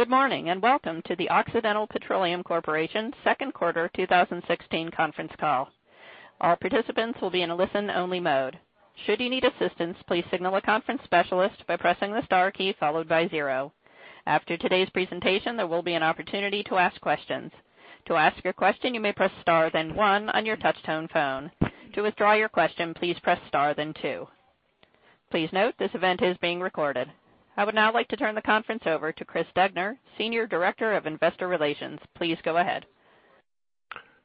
Good morning, and welcome to the Occidental Petroleum Corporation second quarter 2016 conference call. All participants will be in a listen-only mode. Should you need assistance, please signal a conference specialist by pressing the star key followed by zero. After today's presentation, there will be an opportunity to ask questions. To ask your question, you may press star then one on your touch-tone phone. To withdraw your question, please press star then two. Please note this event is being recorded. I would now like to turn the conference over to Chris Degner, Senior Director of Investor Relations. Please go ahead.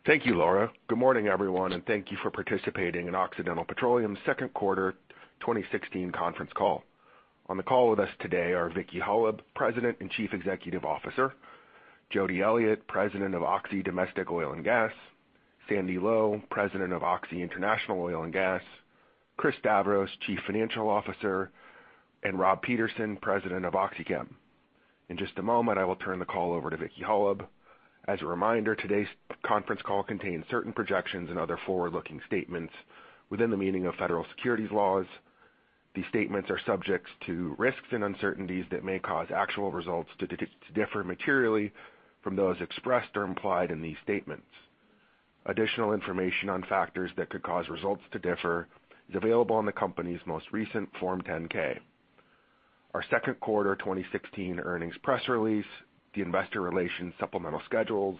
Thank you, Laura. Good morning, everyone, and thank you for participating in Occidental Petroleum's second quarter 2016 conference call. On the call with us today are Vicki Hollub, President and Chief Executive Officer, Jody Elliott, President of Oxy Domestic Oil and Gas, Sandy Lowe, President of Oxy International Oil and Gas, Chris Stavros, Chief Financial Officer, and Rob Peterson, President of OxyChem. In just a moment, I will turn the call over to Vicki Hollub. As a reminder, today's conference call contains certain projections and other forward-looking statements within the meaning of federal securities laws. These statements are subject to risks and uncertainties that may cause actual results to differ materially from those expressed or implied in these statements. Additional information on factors that could cause results to differ is available on the company's most recent Form 10-K. Our second quarter 2016 earnings press release, the investor relations supplemental schedules,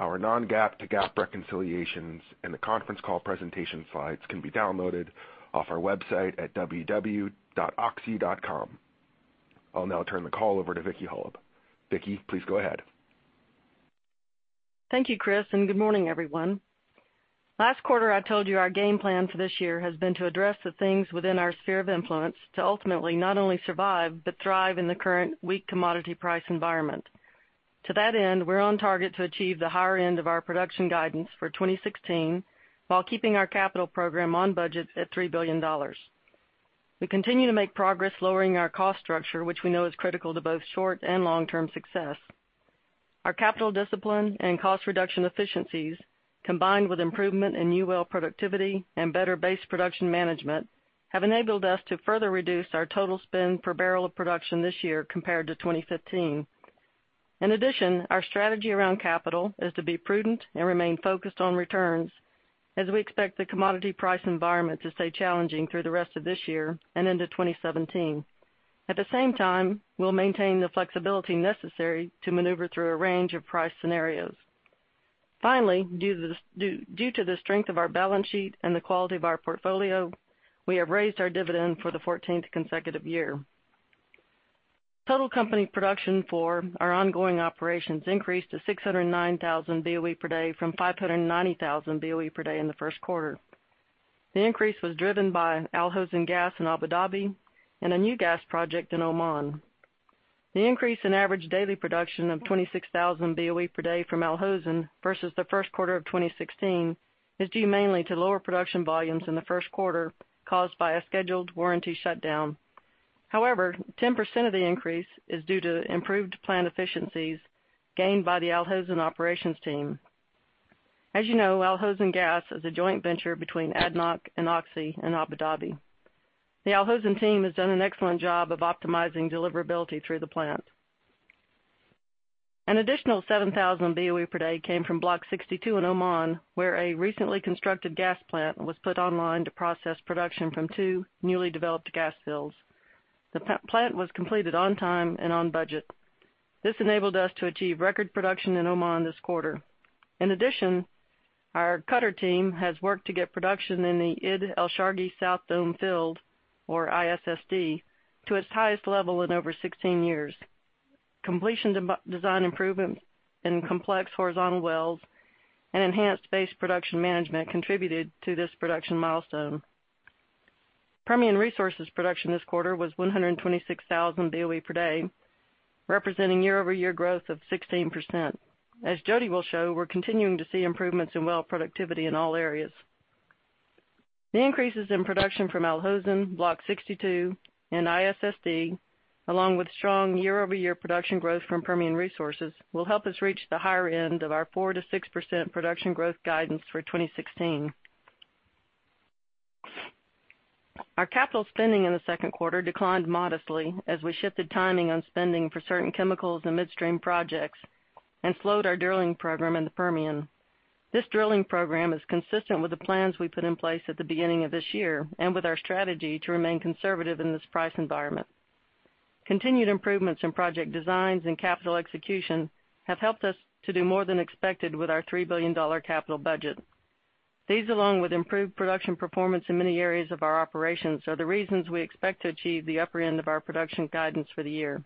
our non-GAAP to GAAP reconciliations, and the conference call presentation slides can be downloaded off our website at www.oxy.com. I'll now turn the call over to Vicki Hollub. Vicki, please go ahead. Thank you, Chris, and good morning, everyone. Last quarter, I told you our game plan for this year has been to address the things within our sphere of influence to ultimately not only survive but thrive in the current weak commodity price environment. To that end, we're on target to achieve the higher end of our production guidance for 2016 while keeping our capital program on budget at $3 billion. We continue to make progress lowering our cost structure, which we know is critical to both short and long-term success. Our capital discipline and cost reduction efficiencies, combined with improvement in new well productivity and better base production management, have enabled us to further reduce our total spend per barrel of production this year compared to 2015. In addition, our strategy around capital is to be prudent and remain focused on returns as we expect the commodity price environment to stay challenging through the rest of this year and into 2017. At the same time, we'll maintain the flexibility necessary to maneuver through a range of price scenarios. Finally, due to the strength of our balance sheet and the quality of our portfolio, we have raised our dividend for the 14th consecutive year. Total company production for our ongoing operations increased to 609,000 BOE per day from 590,000 BOE per day in the first quarter. The increase was driven by Al Hosn Gas in Abu Dhabi and a new gas project in Oman. The increase in average daily production of 26,000 BOE per day from Al Hosn versus the first quarter of 2016 is due mainly to lower production volumes in the first quarter caused by a scheduled warranty shutdown. However, 10% of the increase is due to improved plant efficiencies gained by the Al Hosn operations team. As you know, Al Hosn Gas is a joint venture between ADNOC and Oxy in Abu Dhabi. The Al Hosn team has done an excellent job of optimizing deliverability through the plant. An additional 7,000 BOE per day came from Block 62 in Oman, where a recently constructed gas plant was put online to process production from two newly developed gas fields. The plant was completed on time and on budget. This enabled us to achieve record production in Oman this quarter. In addition, our Qatar team has worked to get production in the Idd El-Shargi South Dome Field, or ISSD, to its highest level in over 16 years. Completion design improvements in complex horizontal wells and enhanced base production management contributed to this production milestone. Permian Resources production this quarter was 126,000 BOE per day, representing year-over-year growth of 16%. As Jody will show, we're continuing to see improvements in well productivity in all areas. The increases in production from Al Hosn, Block 62, and ISSD, along with strong year-over-year production growth from Permian Resources, will help us reach the higher end of our 4%-6% production growth guidance for 2016. Our capital spending in the second quarter declined modestly as we shifted timing on spending for certain chemicals and midstream projects and slowed our drilling program in the Permian. This drilling program is consistent with the plans we put in place at the beginning of this year and with our strategy to remain conservative in this price environment. Continued improvements in project designs and capital execution have helped us to do more than expected with our $3 billion capital budget. These, along with improved production performance in many areas of our operations, are the reasons we expect to achieve the upper end of our production guidance for the year.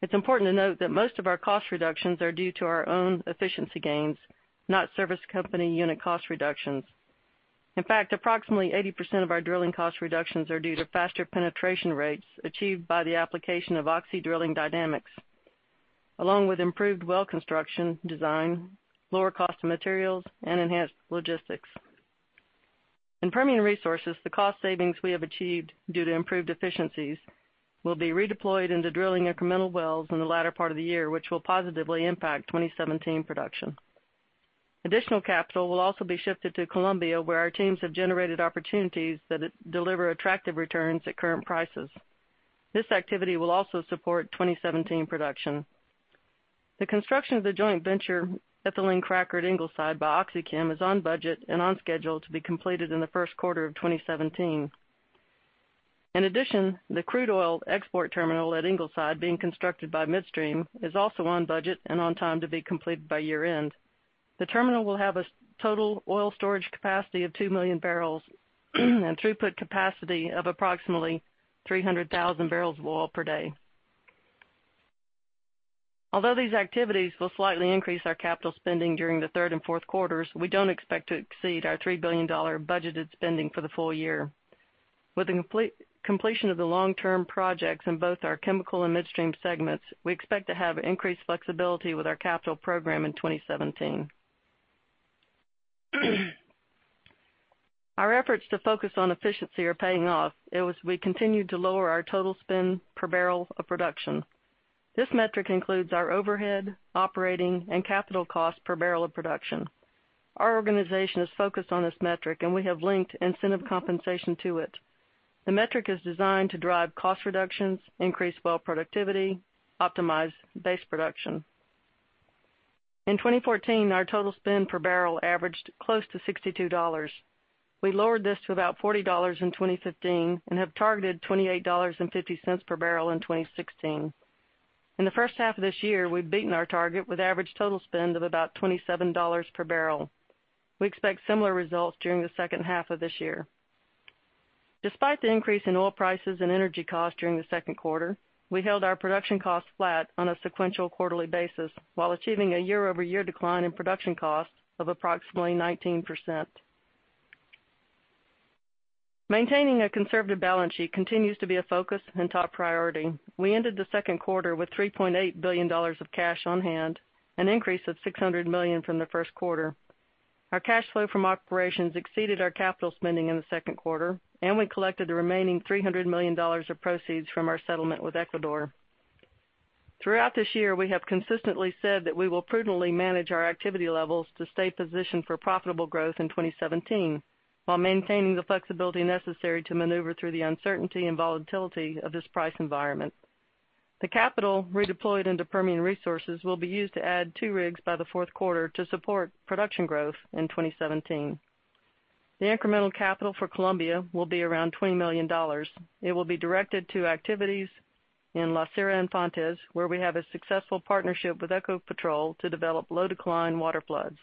It's important to note that most of our cost reductions are due to our own efficiency gains, not service company unit cost reductions. In fact, approximately 80% of our drilling cost reductions are due to faster penetration rates achieved by the application of Oxy Drilling Dynamics, along with improved well construction design, lower cost of materials, and enhanced logistics. In Permian Resources, the cost savings we have achieved due to improved efficiencies will be redeployed into drilling incremental wells in the latter part of the year, which will positively impact 2017 production. Additional capital will also be shifted to Colombia, where our teams have generated opportunities that deliver attractive returns at current prices. This activity will also support 2017 production. The construction of the joint venture ethylene cracker at Ingleside by OxyChem is on budget and on schedule to be completed in the first quarter of 2017. In addition, the crude oil export terminal at Ingleside being constructed by midstream is also on budget and on time to be completed by year-end. The terminal will have a total oil storage capacity of 2 million barrels and throughput capacity of approximately 300,000 barrels of oil per day. Although these activities will slightly increase our capital spending during the third and fourth quarters, we don't expect to exceed our $3 billion budgeted spending for the full year. With the completion of the long-term projects in both our chemical and midstream segments, we expect to have increased flexibility with our capital program in 2017. Our efforts to focus on efficiency are paying off. We continue to lower our total spend per barrel of production. This metric includes our overhead, operating, and capital costs per barrel of production. Our organization is focused on this metric, and we have linked incentive compensation to it. The metric is designed to drive cost reductions, increase well productivity, optimize base production. In 2014, our total spend per barrel averaged close to $62. We lowered this to about $40 in 2015 and have targeted $28.50 per barrel in 2016. In the first half of this year, we've beaten our target with average total spend of about $27 per barrel. We expect similar results during the second half of this year. Despite the increase in oil prices and energy costs during the second quarter, we held our production costs flat on a sequential quarterly basis while achieving a year-over-year decline in production costs of approximately 19%. Maintaining a conservative balance sheet continues to be a focus and top priority. We ended the second quarter with $3.8 billion of cash on hand, an increase of $600 million from the first quarter. Our cash flow from operations exceeded our capital spending in the second quarter, and we collected the remaining $330 million of proceeds from our settlement with Ecuador. Throughout this year, we have consistently said that we will prudently manage our activity levels to stay positioned for profitable growth in 2017 while maintaining the flexibility necessary to maneuver through the uncertainty and volatility of this price environment. The capital redeployed into Permian Resources will be used to add two rigs by the fourth quarter to support production growth in 2017. The incremental capital for Colombia will be around $20 million. It will be directed to activities in La Cira-Infantas, where we have a successful partnership with Ecopetrol to develop low-decline water floods.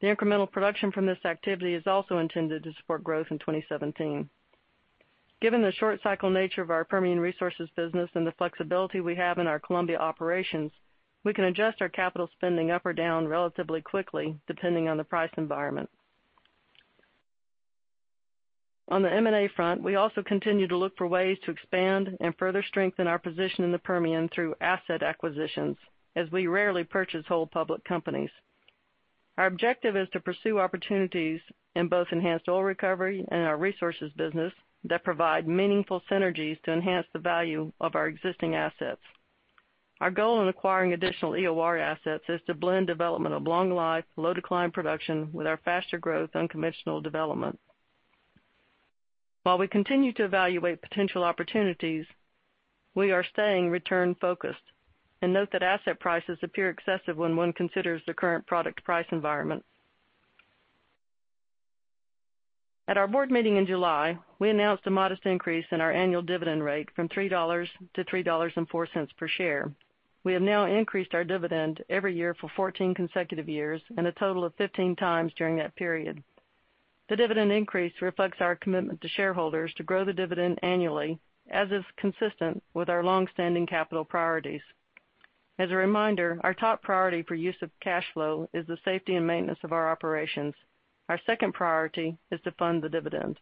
The incremental production from this activity is also intended to support growth in 2017. Given the short cycle nature of our Permian Resources business and the flexibility we have in our Colombia operations, we can adjust our capital spending up or down relatively quickly, depending on the price environment. On the M&A front, we also continue to look for ways to expand and further strengthen our position in the Permian through asset acquisitions, as we rarely purchase whole public companies. Our objective is to pursue opportunities in both enhanced oil recovery and our resources business that provide meaningful synergies to enhance the value of our existing assets. Our goal in acquiring additional EOR assets is to blend development of long-life, low-decline production with our faster growth unconventional development. While we continue to evaluate potential opportunities, we are staying return-focused and note that asset prices appear excessive when one considers the current product price environment. At our board meeting in July, we announced a modest increase in our annual dividend rate from $3 to $3.04 per share. We have now increased our dividend every year for 14 consecutive years and a total of 15 times during that period. The dividend increase reflects our commitment to shareholders to grow the dividend annually, as is consistent with our longstanding capital priorities. As a reminder, our top priority for use of cash flow is the safety and maintenance of our operations. Our second priority is to fund the dividend.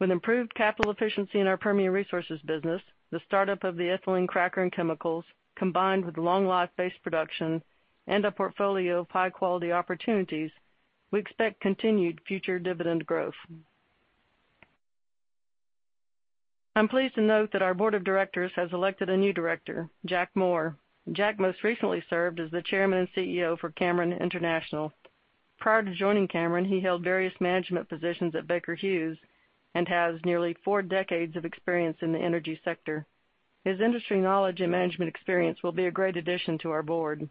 With improved capital efficiency in our Permian Resources business, the startup of the ethylene cracker and chemicals, combined with long-life base production and a portfolio of high-quality opportunities, we expect continued future dividend growth. I'm pleased to note that our board of directors has elected a new director, Jack Moore. Jack most recently served as the chairman and CEO for Cameron International. Prior to joining Cameron, he held various management positions at Baker Hughes and has nearly four decades of experience in the energy sector. His industry knowledge and management experience will be a great addition to our board.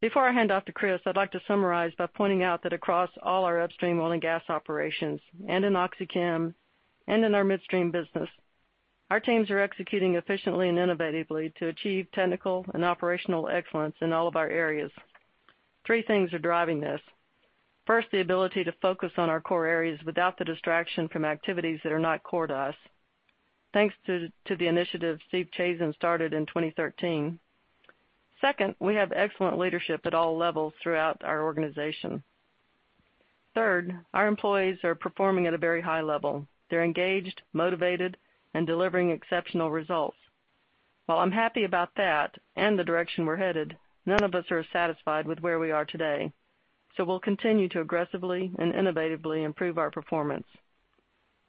Before I hand off to Chris, I'd like to summarize by pointing out that across all our upstream oil and gas operations, in OxyChem, and in our midstream business, our teams are executing efficiently and innovatively to achieve technical and operational excellence in all of our areas. Three things are driving this. First, the ability to focus on our core areas without the distraction from activities that are not core to us, thanks to the initiative Steve Chazen started in 2013. Second, we have excellent leadership at all levels throughout our organization. Third, our employees are performing at a very high level. They're engaged, motivated, and delivering exceptional results. While I'm happy about that and the direction we're headed, none of us are satisfied with where we are today. We'll continue to aggressively and innovatively improve our performance.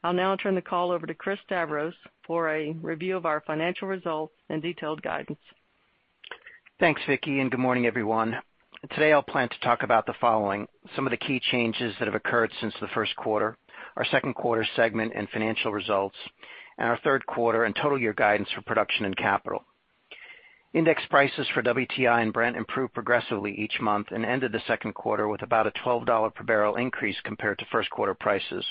I'll now turn the call over to Chris Stavros for a review of our financial results and detailed guidance. Thanks, Vicki, and good morning, everyone. Today I'll plan to talk about the following: some of the key changes that have occurred since the first quarter, our second quarter segment and financial results, and our third quarter and total year guidance for production and capital. Index prices for WTI and Brent improved progressively each month and ended the second quarter with about a $12 per barrel increase compared to first quarter prices.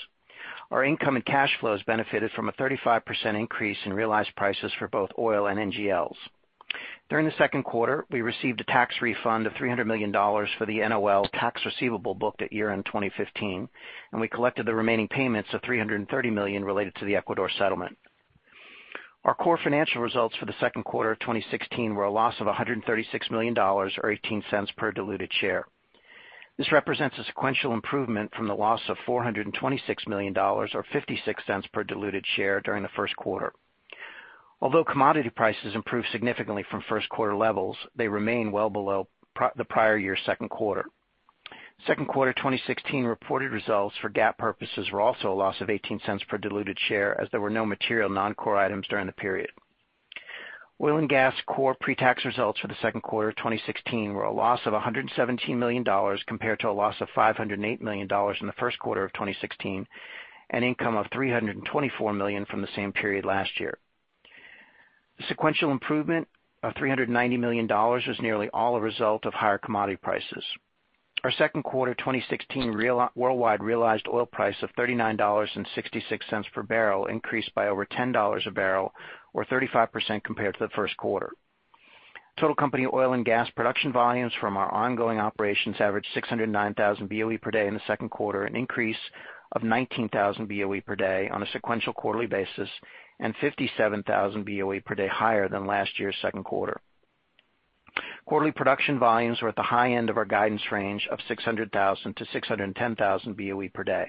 Our income and cash flows benefited from a 35% increase in realized prices for both oil and NGLs. During the second quarter, we received a tax refund of $300 million for the NOL tax receivable booked at year-end 2015, and we collected the remaining payments of $330 million related to the Ecuador settlement. Our core financial results for the second quarter of 2016 were a loss of $136 million, or $0.18 per diluted share. This represents a sequential improvement from the loss of $426 million, or $0.56 per diluted share during the first quarter. Although commodity prices improved significantly from first quarter levels, they remain well below the prior year second quarter. Second quarter 2016 reported results for GAAP purposes were also a loss of $0.18 per diluted share as there were no material non-core items during the period. Oil and gas core pre-tax results for the second quarter of 2016 were a loss of $117 million compared to a loss of $508 million in the first quarter of 2016, and income of $324 million from the same period last year. The sequential improvement of $390 million was nearly all a result of higher commodity prices. Our second quarter 2016 worldwide realized oil price of $39.66 per barrel increased by over $10 a barrel, or 35% compared to the first quarter. Total company oil and gas production volumes from our ongoing operations averaged 609,000 BOE per day in the second quarter, an increase of 19,000 BOE per day on a sequential quarterly basis, and 57,000 BOE per day higher than last year's second quarter. Quarterly production volumes were at the high end of our guidance range of 600,000-610,000 BOE per day.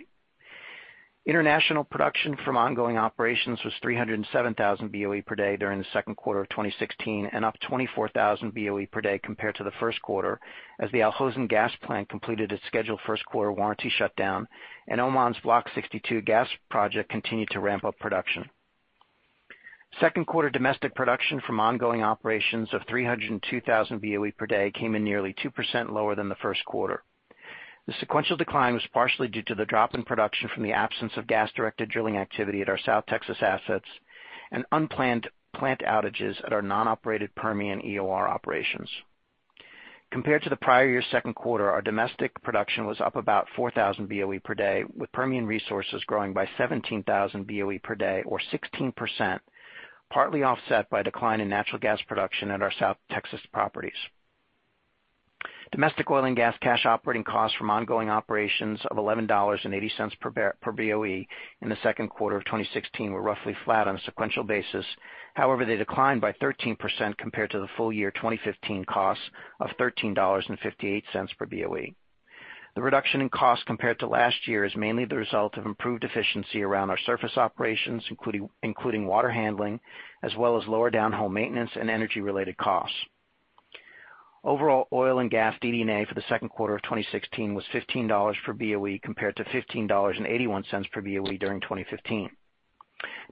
International production from ongoing operations was 307,000 BOE per day during the second quarter of 2016, and up 24,000 BOE per day compared to the first quarter, as the Al Hosn gas plant completed its scheduled first quarter warranty shutdown and Oman's Block 62 gas project continued to ramp up production. Second quarter domestic production from ongoing operations of 302,000 BOE per day came in nearly 2% lower than the first quarter. The sequential decline was partially due to the drop in production from the absence of gas-directed drilling activity at our South Texas assets and unplanned plant outages at our non-operated Permian EOR operations. Compared to the prior year second quarter, our domestic production was up about 4,000 BOE per day, with Permian Resources growing by 17,000 BOE per day or 16%, partly offset by decline in natural gas production at our South Texas properties. Domestic oil and gas cash operating costs from ongoing operations of $11.80 per BOE in the second quarter of 2016 were roughly flat on a sequential basis. However, they declined by 13% compared to the full year 2015 costs of $13.58 per BOE. The reduction in cost compared to last year is mainly the result of improved efficiency around our surface operations, including water handling, as well as lower down home maintenance and energy-related costs. Overall, oil and gas DD&A for the second quarter of 2016 was $15 per BOE, compared to $15.81 per BOE during 2015.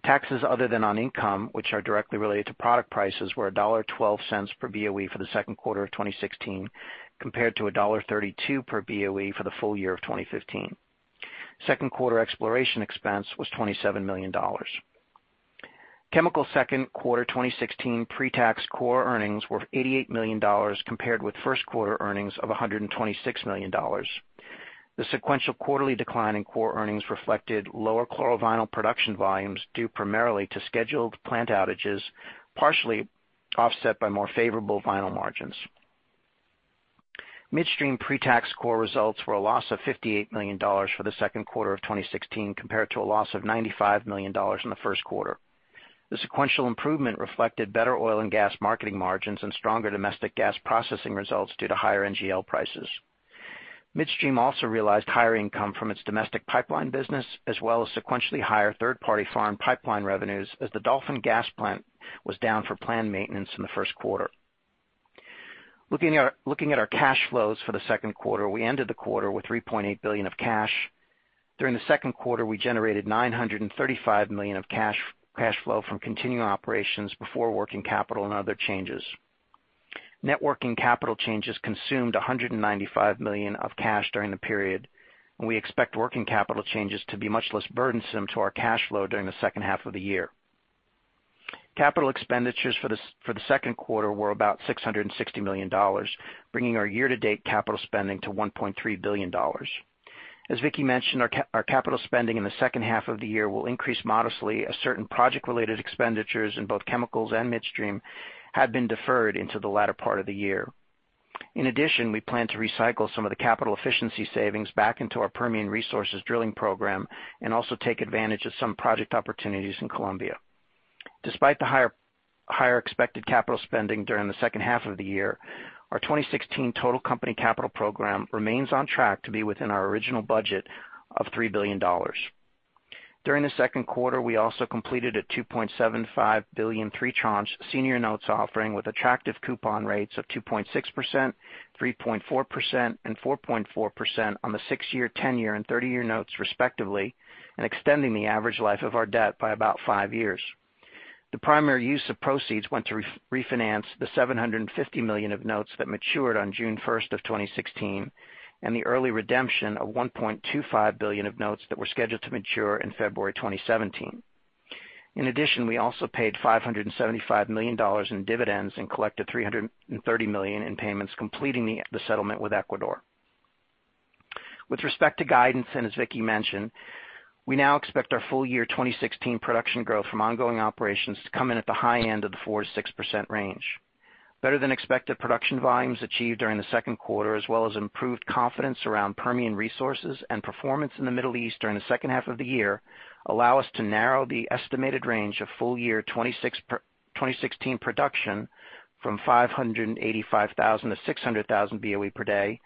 Taxes other than on income, which are directly related to product prices, were $1.12 per BOE for the second quarter of 2016 compared to $1.32 per BOE for the full year of 2015. Second quarter exploration expense was $27 million. Chemical second quarter 2016 pre-tax core earnings were $88 million, compared with first quarter earnings of $126 million. The sequential quarterly decline in core earnings reflected lower chlorovinyl production volumes, due primarily to scheduled plant outages, partially offset by more favorable vinyl margins. Midstream pre-tax core results were a loss of $58 million for the second quarter of 2016 compared to a loss of $95 million in the first quarter. The sequential improvement reflected better oil and gas marketing margins and stronger domestic gas processing results due to higher NGL prices. Midstream also realized higher income from its domestic pipeline business as well as sequentially higher third-party farm pipeline revenues, as the Dolphin gas plant was down for planned maintenance in the first quarter. Looking at our cash flows for the second quarter, we ended the quarter with $3.8 billion of cash. During the second quarter, we generated $935 million of cash flow from continuing operations before working capital and other changes. Net working capital changes consumed $195 million of cash during the period, and we expect working capital changes to be much less burdensome to our cash flow during the second half of the year. Capital expenditures for the second quarter were about $660 million, bringing our year-to-date capital spending to $1.3 billion. As Vicki mentioned, our capital spending in the second half of the year will increase modestly as certain project-related expenditures in both Chemicals and Midstream have been deferred into the latter part of the year. In addition, we plan to recycle some of the capital efficiency savings back into our Permian Resources drilling program and also take advantage of some project opportunities in Colombia. Despite the higher expected capital spending during the second half of the year, our 2016 total company capital program remains on track to be within our original budget of $3 billion. During the second quarter, we also completed a $2.75 billion tranches senior notes offering with attractive coupon rates of 2.6%, 3.4%, and 4.4% on the six-year, 10-year, and 30-year notes respectively, and extending the average life of our debt by about five years. The primary use of proceeds went to refinance the $750 million of notes that matured on June 1st of 2016, and the early redemption of $1.25 billion of notes that were scheduled to mature in February 2017. In addition, we also paid $575 million in dividends and collected $330 million in payments, completing the settlement with Ecuador. With respect to guidance, as Vicki mentioned, we now expect our full year 2016 production growth from ongoing operations to come in at the high end of the 4%-6% range. Better than expected production volumes achieved during the second quarter, as well as improved confidence around Permian Resources and performance in the Middle East during the second half of the year, allow us to narrow the estimated range of full year 2016 production from 585,000-600,000 BOE per day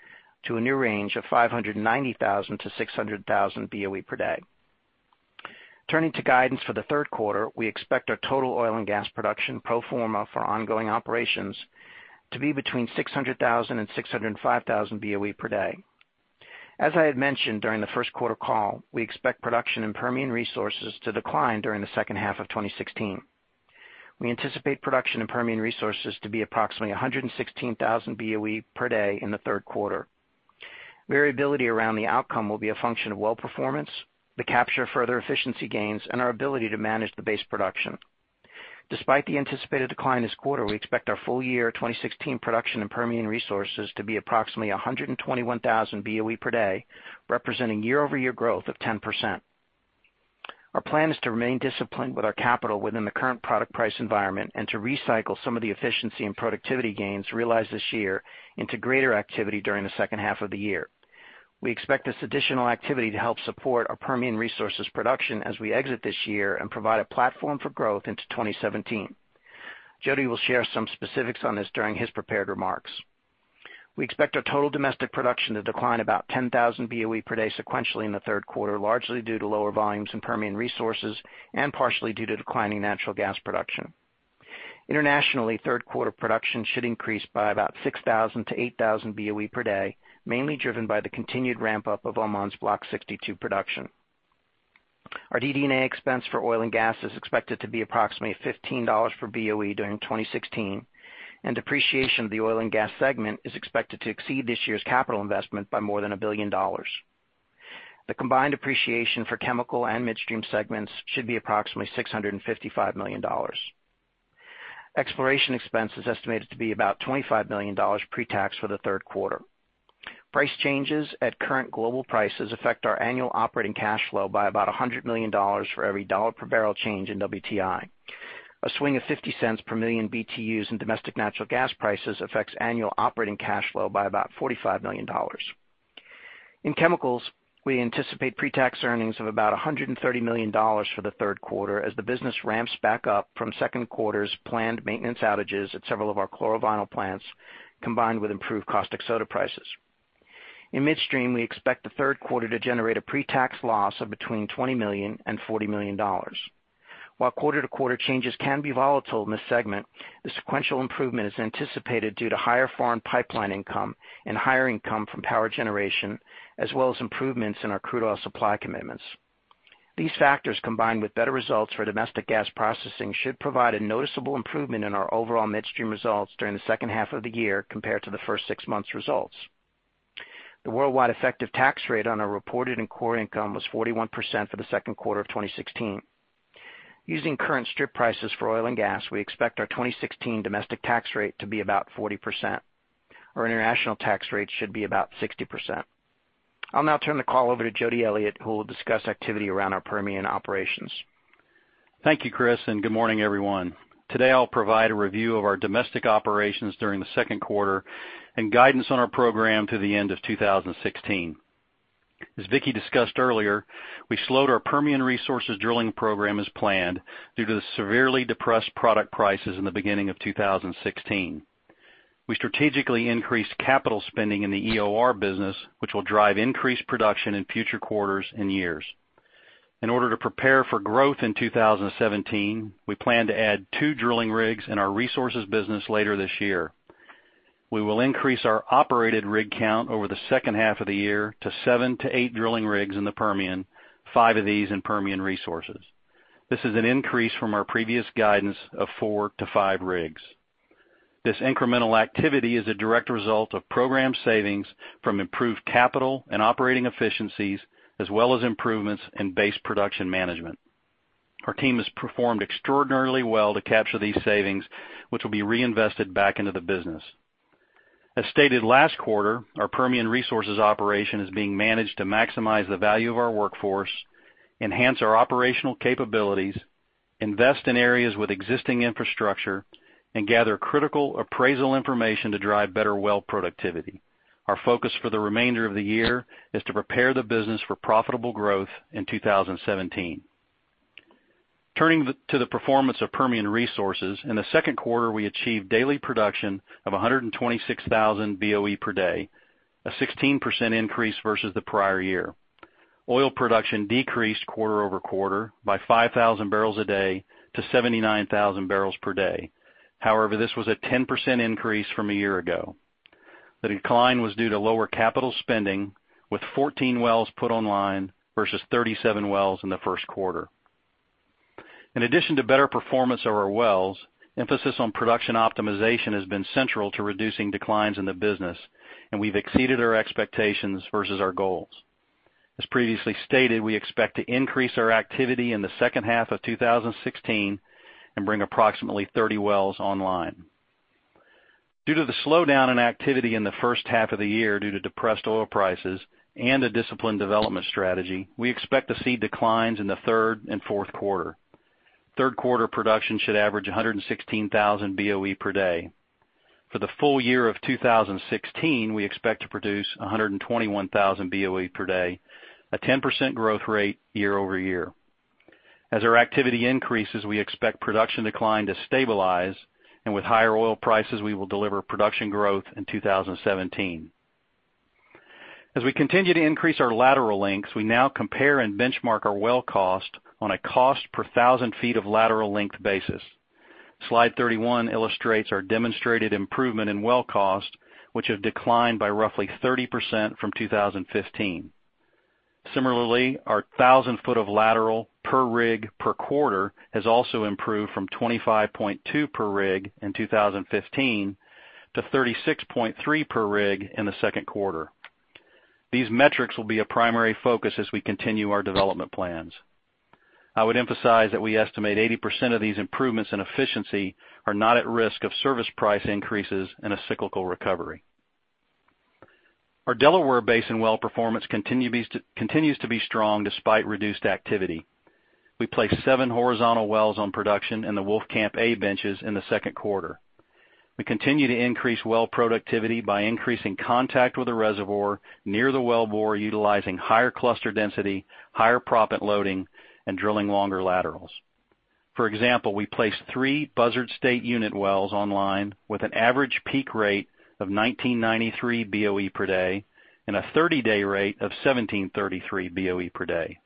to a new range of 590,000-600,000 BOE per day. Turning to guidance for the third quarter, we expect our total oil and gas production pro forma for ongoing operations to be between 600,000 and 605,000 BOE per day. As I had mentioned during the first quarter call, we expect production in Permian Resources to decline during the second half of 2016. We anticipate production in Permian Resources to be approximately 116,000 BOE per day in the third quarter. Variability around the outcome will be a function of well performance, the capture of further efficiency gains, and our ability to manage the base production. Despite the anticipated decline this quarter, we expect our full year 2016 production in Permian Resources to be approximately 121,000 BOE per day, representing year-over-year growth of 10%. Our plan is to remain disciplined with our capital within the current product price environment and to recycle some of the efficiency and productivity gains realized this year into greater activity during the second half of the year. We expect this additional activity to help support our Permian Resources production as we exit this year and provide a platform for growth into 2017. Jody will share some specifics on this during his prepared remarks. We expect our total domestic production to decline about 10,000 BOE per day sequentially in the third quarter, largely due to lower volumes in Permian Resources and partially due to declining natural gas production. Internationally, third quarter production should increase by about 6,000-8,000 BOE per day, mainly driven by the continued ramp-up of Oman's Block 62 production. Our DD&A expense for oil and gas is expected to be approximately $15 per BOE during 2016, and depreciation of the oil and gas segment is expected to exceed this year's capital investment by more than $1 billion. The combined depreciation for chemical and midstream segments should be approximately $655 million. Exploration expense is estimated to be about $25 million pre-tax for the third quarter. Price changes at current global prices affect our annual operating cash flow by about $100 million for every dollar per barrel change in WTI. A swing of $0.50 per million BTUs in domestic natural gas prices affects annual operating cash flow by about $45 million. In chemicals, we anticipate pre-tax earnings of about $130 million for the third quarter as the business ramps back up from second quarter's planned maintenance outages at several of our chlorovinyl plants, combined with improved caustic soda prices. In midstream, we expect the third quarter to generate a pre-tax loss of between $20 million and $40 million. While quarter-to-quarter changes can be volatile in this segment, the sequential improvement is anticipated due to higher foreign pipeline income and higher income from power generation, as well as improvements in our crude oil supply commitments. These factors, combined with better results for domestic gas processing, should provide a noticeable improvement in our overall midstream results during the second half of the year compared to the first six months' results. The worldwide effective tax rate on our reported and core income was 41% for the second quarter of 2016. Using current strip prices for oil and gas, we expect our 2016 domestic tax rate to be about 40%. Our international tax rate should be about 60%. I'll now turn the call over to Jody Elliott, who will discuss activity around our Permian operations. Thank you, Chris, and good morning, everyone. Today, I'll provide a review of our domestic operations during the second quarter and guidance on our program to the end of 2016. As Vicki discussed earlier, we slowed our Permian Resources drilling program as planned due to the severely depressed product prices in the beginning of 2016. We strategically increased capital spending in the EOR business, which will drive increased production in future quarters and years. In order to prepare for growth in 2017, we plan to add two drilling rigs in our resources business later this year. We will increase our operated rig count over the second half of the year to seven to eight drilling rigs in the Permian, five of these in Permian Resources. This is an increase from our previous guidance of four to five rigs. This incremental activity is a direct result of program savings from improved capital and operating efficiencies, as well as improvements in base production management. Our team has performed extraordinarily well to capture these savings, which will be reinvested back into the business. As stated last quarter, our Permian Resources operation is being managed to maximize the value of our workforce, enhance our operational capabilities, invest in areas with existing infrastructure, and gather critical appraisal information to drive better well productivity. Our focus for the remainder of the year is to prepare the business for profitable growth in 2017. Turning to the performance of Permian Resources, in the second quarter, we achieved daily production of 126,000 BOE per day, a 16% increase versus the prior year. Oil production decreased quarter-over-quarter by 5,000 barrels a day to 79,000 barrels per day. This was a 10% increase from a year ago. The decline was due to lower capital spending with 14 wells put online versus 37 wells in the first quarter. In addition to better performance of our wells, emphasis on production optimization has been central to reducing declines in the business, and we've exceeded our expectations versus our goals. As previously stated, we expect to increase our activity in the second half of 2016 and bring approximately 30 wells online. Due to the slowdown in activity in the first half of the year due to depressed oil prices and a disciplined development strategy, we expect to see declines in the third and fourth quarter. Third quarter production should average 116,000 BOE per day. For the full year of 2016, we expect to produce 121,000 BOE per day, a 10% growth rate year-over-year. As our activity increases, we expect production decline to stabilize, and with higher oil prices, we will deliver production growth in 2017. As we continue to increase our lateral lengths, we now compare and benchmark our well cost on a cost per 1,000 feet of lateral length basis. Slide 31 illustrates our demonstrated improvement in well cost, which have declined by roughly 30% from 2015. Similarly, our 1,000 foot of lateral per rig per quarter has also improved from 25.2 per rig in 2015 to 36.3 per rig in the second quarter. These metrics will be a primary focus as we continue our development plans. I would emphasize that we estimate 80% of these improvements in efficiency are not at risk of service price increases in a cyclical recovery. Our Delaware Basin well performance continues to be strong despite reduced activity. We placed seven horizontal wells on production in the Wolfcamp A benches in the second quarter. We continue to increase well productivity by increasing contact with the reservoir near the wellbore, utilizing higher cluster density, higher proppant loading, and drilling longer laterals. For example, we placed three Buzzard State unit wells online with an average peak rate of 1993 BOE per day and a 30-day rate of 1733 BOE per day.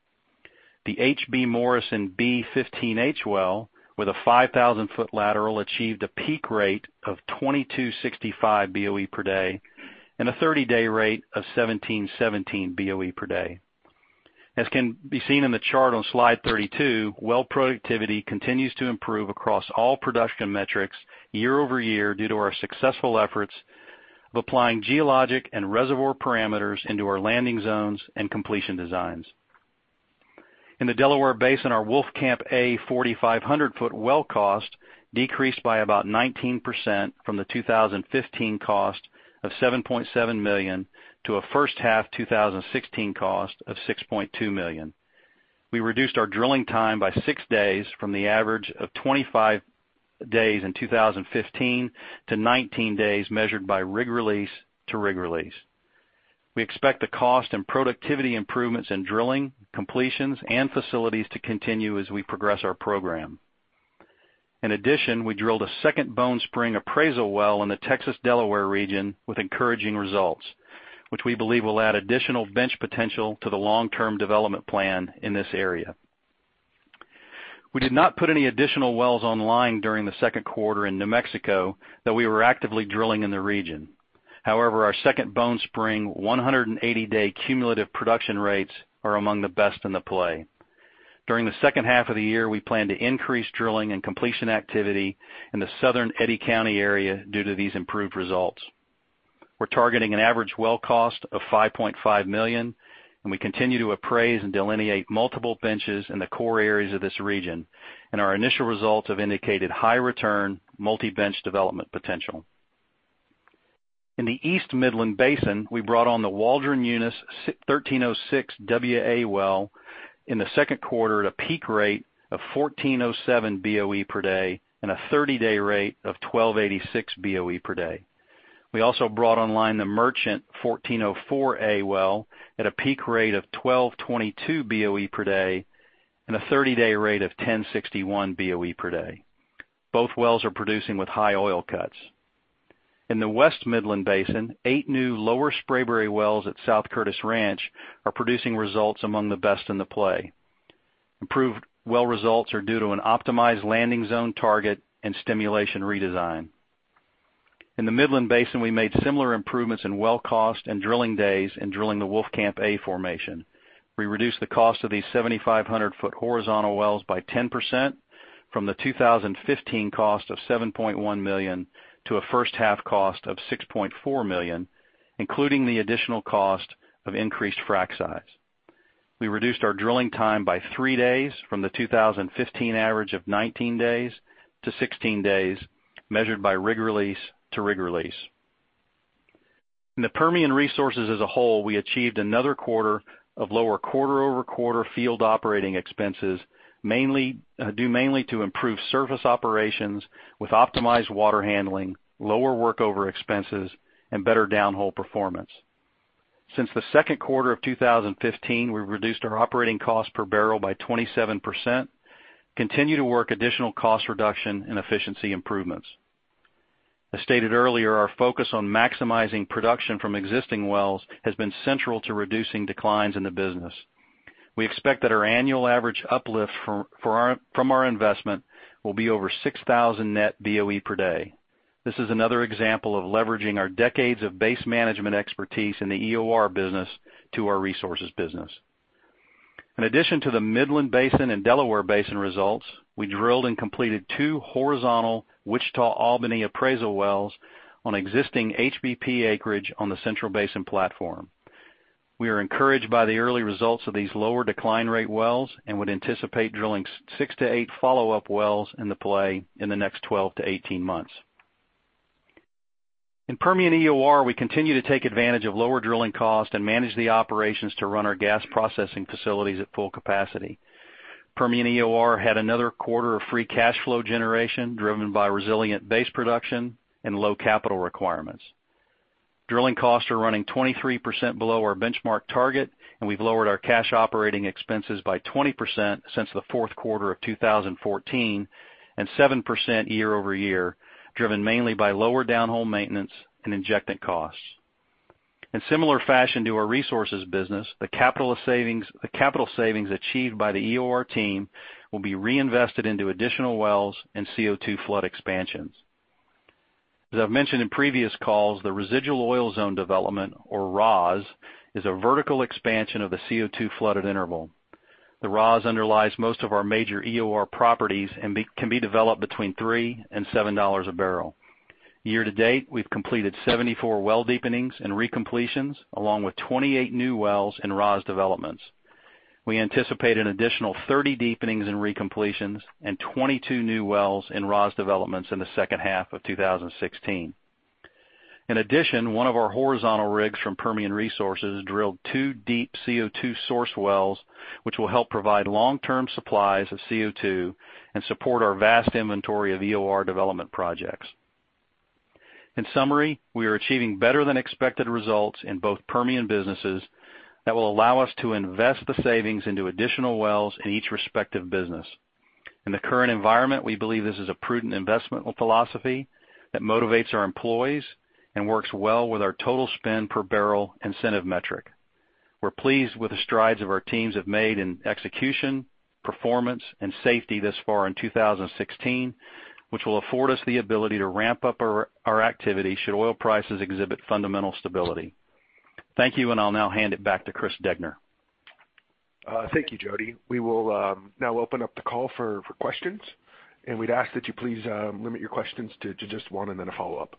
The H.B. Morrison B15H well, with a 5,000-foot lateral, achieved a peak rate of 2265 BOE per day and a 30-day rate of 1717 BOE per day. As can be seen in the chart on slide 32, well productivity continues to improve across all production metrics year-over-year due to our successful efforts of applying geologic and reservoir parameters into our landing zones and completion designs. In the Delaware Basin, our Wolfcamp A 4,500-foot well cost decreased by about 19% from the 2015 cost of $7.7 million to a first-half 2016 cost of $6.2 million. We reduced our drilling time by six days from the average of 25 days in 2015 to 19 days, measured by rig release to rig release. We expect the cost and productivity improvements in drilling, completions, and facilities to continue as we progress our program. In addition, we drilled a second Bone Spring appraisal well in the Texas Delaware region with encouraging results, which we believe will add additional bench potential to the long-term development plan in this area. We did not put any additional wells online during the second quarter in New Mexico, though we were actively drilling in the region. However, our second Bone Spring 180-day cumulative production rates are among the best in the play. During the second half of the year, we plan to increase drilling and completion activity in the southern Eddy County area due to these improved results. We're targeting an average well cost of $5.5 million, and we continue to appraise and delineate multiple benches in the core areas of this region, and our initial results have indicated high return, multi-bench development potential. In the East Midland Basin, we brought on the Waldron Eunice 1306 WA well in the second quarter at a peak rate of 1407 BOE per day and a 30-day rate of 1286 BOE per day. We also brought online the Merchant 1404A well at a peak rate of 1222 BOE per day and a 30-day rate of 1061 BOE per day. Both wells are producing with high oil cuts. In the West Midland Basin, eight new Lower Spraberry wells at South Curtis Ranch are producing results among the best in the play. Improved well results are due to an optimized landing zone target and stimulation redesign. In the Midland Basin, we made similar improvements in well cost and drilling days in drilling the Wolfcamp A formation. We reduced the cost of these 7,500-foot horizontal wells by 10% from the 2015 cost of $7.1 million to a first-half cost of $6.4 million, including the additional cost of increased frac size. We reduced our drilling time by three days from the 2015 average of 19 days to 16 days, measured by rig release to rig release. In the Permian Resources as a whole, we achieved another quarter of lower quarter-over-quarter field operating expenses, due mainly to improved surface operations with optimized water handling, lower workover expenses, and better downhole performance. Since the second quarter of 2015, we've reduced our operating cost per barrel by 27%, continue to work additional cost reduction and efficiency improvements. As stated earlier, our focus on maximizing production from existing wells has been central to reducing declines in the business. We expect that our annual average uplift from our investment will be over 6,000 net BOE per day. This is another example of leveraging our decades of base management expertise in the EOR business to our resources business. In addition to the Midland Basin and Delaware Basin results, we drilled and completed two horizontal Wichita Albany appraisal wells on existing HBP acreage on the Central Basin Platform. We are encouraged by the early results of these lower decline rate wells and would anticipate drilling six to eight follow-up wells in the play in the next 12 to 18 months. In Permian EOR, we continue to take advantage of lower drilling costs and manage the operations to run our gas processing facilities at full capacity. Permian EOR had another quarter of free cash flow generation, driven by resilient base production and low capital requirements. Drilling costs are running 23% below our benchmark target, and we've lowered our cash operating expenses by 20% since the fourth quarter of 2014 and 7% year-over-year, driven mainly by lower downhole maintenance and injectant costs. In similar fashion to our resources business, the capital savings achieved by the EOR team will be reinvested into additional wells and CO2 flood expansions. As I've mentioned in previous calls, the residual oil zone development, or ROZ, is a vertical expansion of the CO2 flooded interval. The ROZ underlies most of our major EOR properties and can be developed between three and seven dollars a barrel. Year to date, we've completed 74 well deepenings and recompletions, along with 28 new wells and ROZ developments. We anticipate an additional 30 deepenings and recompletions and 22 new wells in ROZ developments in the second half of 2016. In addition, one of our horizontal rigs from Permian Resources drilled two deep CO2 source wells, which will help provide long-term supplies of CO2 and support our vast inventory of EOR development projects. In summary, we are achieving better than expected results in both Permian businesses that will allow us to invest the savings into additional wells in each respective business. In the current environment, we believe this is a prudent investment philosophy that motivates our employees and works well with our total spend per barrel incentive metric. We're pleased with the strides our teams have made in execution, performance, and safety this far in 2016, which will afford us the ability to ramp up our activity should oil prices exhibit fundamental stability. Thank you, and I'll now hand it back to Chris Degner. Thank you, Jody. We will now open up the call for questions, and we'd ask that you please limit your questions to just one and then a follow-up.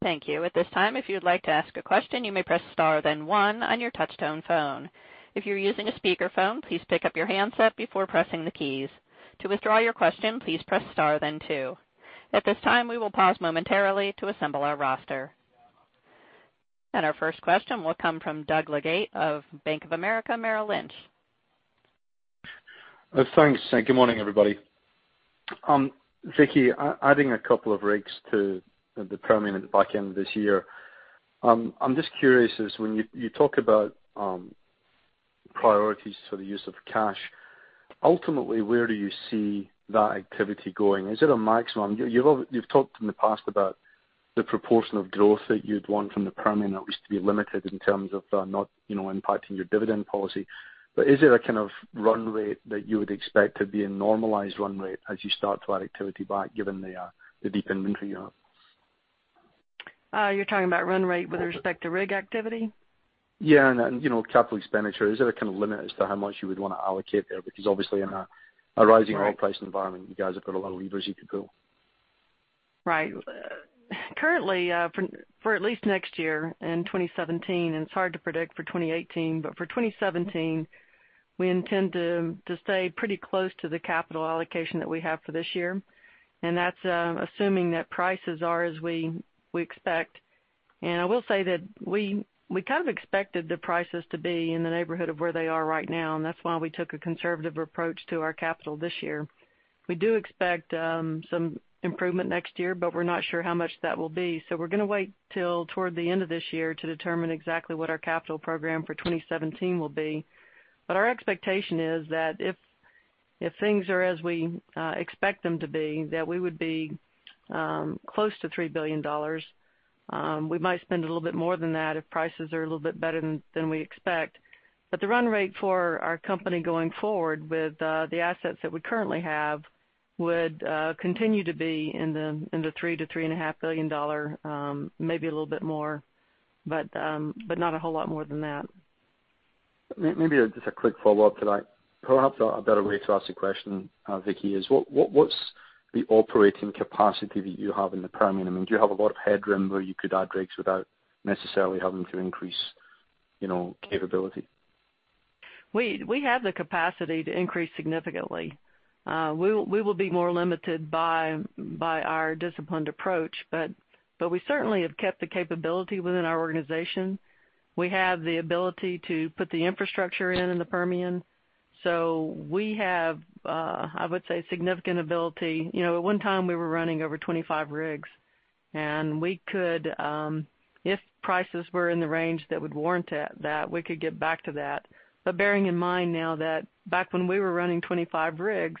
Thank you. At this time, if you would like to ask a question, you may press star, then one on your touchtone phone. If you're using a speakerphone, please pick up your handset before pressing the keys. To withdraw your question, please press star, then two. At this time, we will pause momentarily to assemble our roster. Our first question will come from Doug Leggate of Bank of America Merrill Lynch. Thanks. Good morning, everybody. Vicki, adding a couple of rigs to the Permian at the back end of this year, I'm just curious as when you talk about priorities for the use of cash, ultimately, where do you see that activity going? Is it a maximum? You've talked in the past about the proportion of growth that you'd want from the Permian that was to be limited in terms of not impacting your dividend policy, but is it a kind of run rate that you would expect to be a normalized run rate as you start to add activity back, given the deep inventory you have? You're talking about run rate with respect to rig activity? Yeah, capital expenditure. Is there a kind of limit as to how much you would want to allocate there? Because obviously in a rising oil price environment, you guys have got a lot of levers you could pull. Right. Currently, for at least next year in 2017, and it's hard to predict for 2018, but for 2017, we intend to stay pretty close to the capital allocation that we have for this year, and that's assuming that prices are as we expect. I will say that we kind of expected the prices to be in the neighborhood of where they are right now, and that's why we took a conservative approach to our capital this year. We do expect some improvement next year, but we're not sure how much that will be, so we're going to wait till toward the end of this year to determine exactly what our capital program for 2017 will be. Our expectation is that if things are as we expect them to be, that we would be close to $3 billion. We might spend a little bit more than that if prices are a little bit better than we expect. The run rate for our company going forward with the assets that we currently have would continue to be in the $3 billion-$3.5 billion, maybe a little bit more, but not a whole lot more than that. Maybe just a quick follow-up to that. Perhaps a better way to ask the question, Vicki, is what's the operating capacity that you have in the Permian? I mean, do you have a lot of headroom where you could add rigs without necessarily having to increase capability? We have the capacity to increase significantly. We will be more limited by our disciplined approach, but we certainly have kept the capability within our organization. We have the ability to put the infrastructure in the Permian. We have, I would say, significant ability. At one time, we were running over 25 rigs, and if prices were in the range that would warrant that, we could get back to that. Bearing in mind now that back when we were running 25 rigs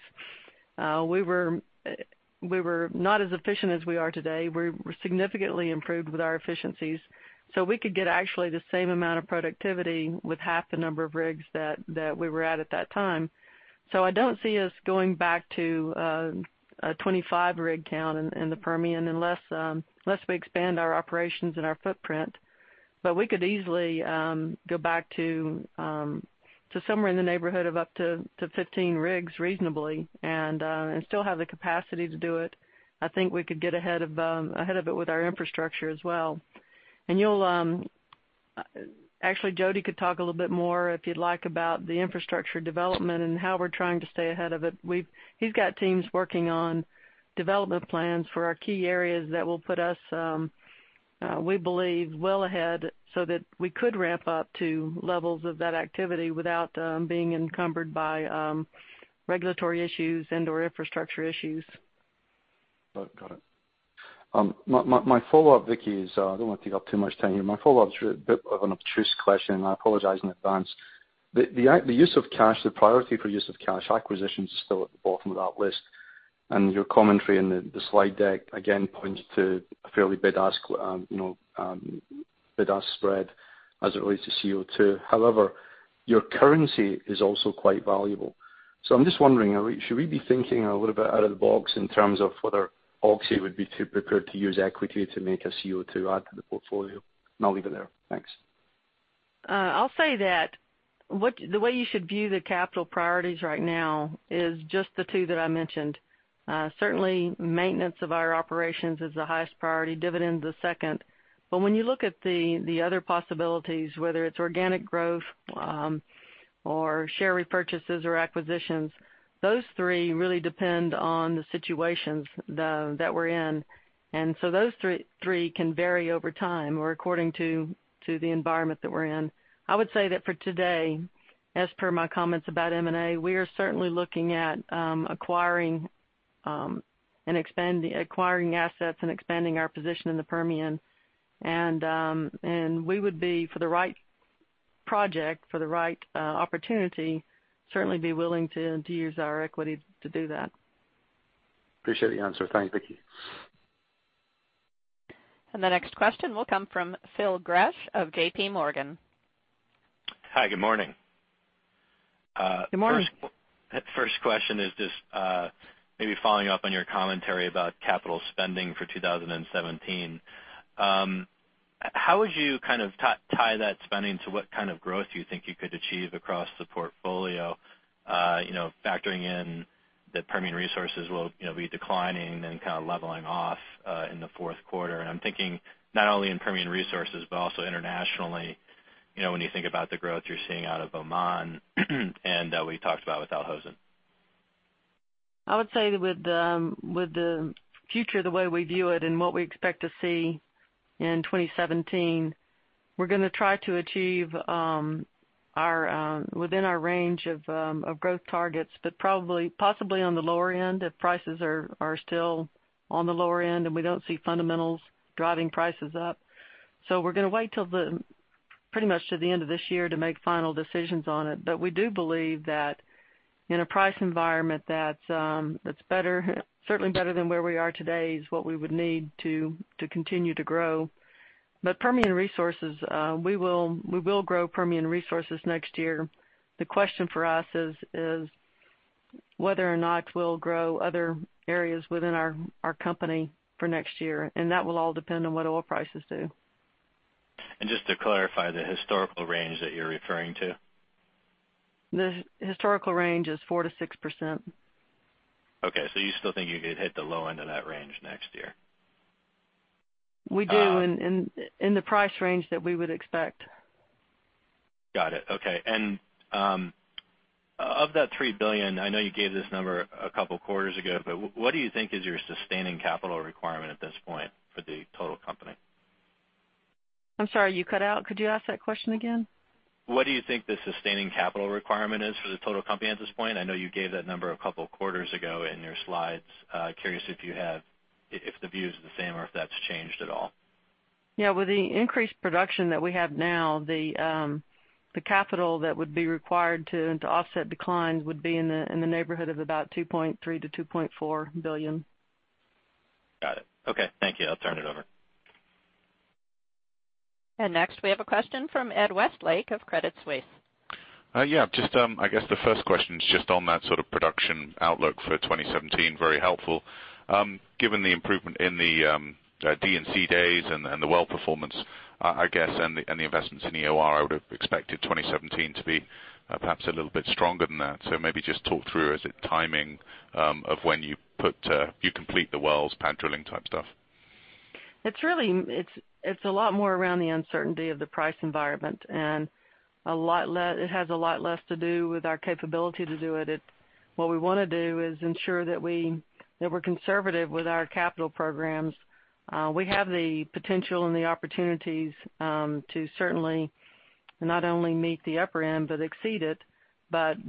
We were not as efficient as we are today. We're significantly improved with our efficiencies. We could get actually the same amount of productivity with half the number of rigs that we were at that time. I don't see us going back to a 25 rig count in the Permian unless we expand our operations and our footprint. We could easily go back to somewhere in the neighborhood of up to 15 rigs reasonably and still have the capacity to do it. I think we could get ahead of it with our infrastructure as well. Actually, Jody could talk a little bit more, if you'd like, about the infrastructure development and how we're trying to stay ahead of it. He's got teams working on development plans for our key areas that will put us, we believe, well ahead so that we could ramp up to levels of that activity without being encumbered by regulatory issues and/or infrastructure issues. Got it. I don't want to take up too much time here. My follow-up is a bit of an obtuse question, and I apologize in advance. The use of cash, the priority for use of cash acquisitions is still at the bottom of that list. Your commentary in the slide deck, again, points to a fairly bid-ask spread as it relates to CO2. However, your currency is also quite valuable. I'm just wondering, should we be thinking a little bit out of the box in terms of whether Oxy would be prepared to use equity to make a CO2 add to the portfolio? I'll leave it there. Thanks. I'll say that the way you should view the capital priorities right now is just the two that I mentioned. Certainly, maintenance of our operations is the highest priority, dividends the second. When you look at the other possibilities, whether it's organic growth or share repurchases or acquisitions, those three really depend on the situations that we're in. Those three can vary over time or according to the environment that we're in. I would say that for today, as per my comments about M&A, we are certainly looking at acquiring assets and expanding our position in the Permian. We would be, for the right project, for the right opportunity, certainly be willing to use our equity to do that. Appreciate the answer. Thanks, Vicki. The next question will come from Phil Gresh of JPMorgan. Hi, good morning. Good morning. First question is just maybe following up on your commentary about capital spending for 2017. How would you tie that spending to what kind of growth you think you could achieve across the portfolio, factoring in that Permian Resources will be declining and then kind of leveling off in the fourth quarter? I'm thinking not only in Permian Resources, but also internationally, when you think about the growth you're seeing out of Oman and that we talked about with Al Hosn. I would say with the future, the way we view it and what we expect to see in 2017, we're going to try to achieve within our range of growth targets, but possibly on the lower end if prices are still on the lower end and we don't see fundamentals driving prices up. We're going to wait pretty much to the end of this year to make final decisions on it. We do believe that in a price environment that's certainly better than where we are today is what we would need to continue to grow. We will grow Permian Resources next year. The question for us is whether or not we'll grow other areas within our company for next year, and that will all depend on what oil prices do. Just to clarify the historical range that you're referring to? The historical range is 4%-6%. Okay, you still think you could hit the low end of that range next year? We do, in the price range that we would expect. Got it. Okay. Of that $3 billion, I know you gave this number a couple of quarters ago, but what do you think is your sustaining capital requirement at this point for the total company? I'm sorry, you cut out. Could you ask that question again? What do you think the sustaining capital requirement is for the total company at this point? I know you gave that number a couple of quarters ago in your slides. Curious if the view is the same or if that's changed at all. Yeah, with the increased production that we have now, the capital that would be required to offset declines would be in the neighborhood of about $2.3 billion-$2.4 billion. Got it. Okay. Thank you. I'll turn it over. Next we have a question from Ed Westlake of Credit Suisse. Yeah. I guess the first question is just on that sort of production outlook for 2017. Very helpful. Given the improvement in the D&C days and the well performance, I guess, and the investments in EOR, I would have expected 2017 to be perhaps a little bit stronger than that. Maybe just talk through, is it timing of when you complete the wells, pad drilling type stuff? It's a lot more around the uncertainty of the price environment, it has a lot less to do with our capability to do it. What we want to do is ensure that we're conservative with our capital programs. We have the potential and the opportunities to certainly not only meet the upper end but exceed it,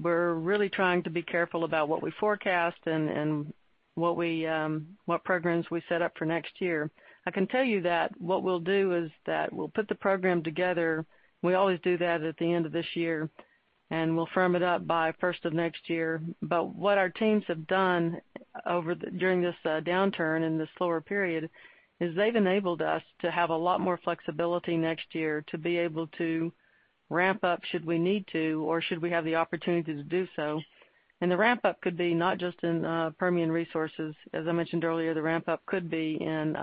we're really trying to be careful about what we forecast and what programs we set up for next year. I can tell you that what we'll do is that we'll put the program together, we always do that at the end of this year, and we'll firm it up by the first of next year. What our teams have done during this downturn and this slower period, is they've enabled us to have a lot more flexibility next year to be able to ramp up should we need to, or should we have the opportunity to do so. The ramp up could be not just in Permian Resources. As I mentioned earlier, the ramp up could be in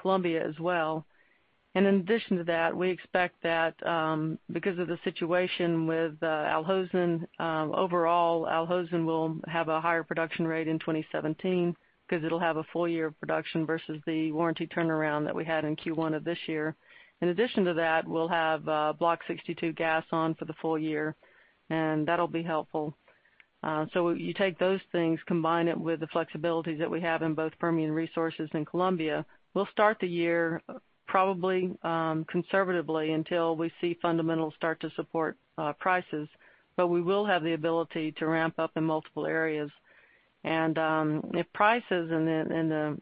Colombia as well. In addition to that, we expect that because of the situation with Al Hosn, overall Al Hosn will have a higher production rate in 2017, because it'll have a full year of production versus the warranty turnaround that we had in Q1 of this year. In addition to that, we'll have Block 62 gas on for the full year, and that'll be helpful. You take those things, combine it with the flexibility that we have in both Permian Resources and Colombia, we'll start the year probably conservatively until we see fundamentals start to support prices, but we will have the ability to ramp up in multiple areas. If prices and the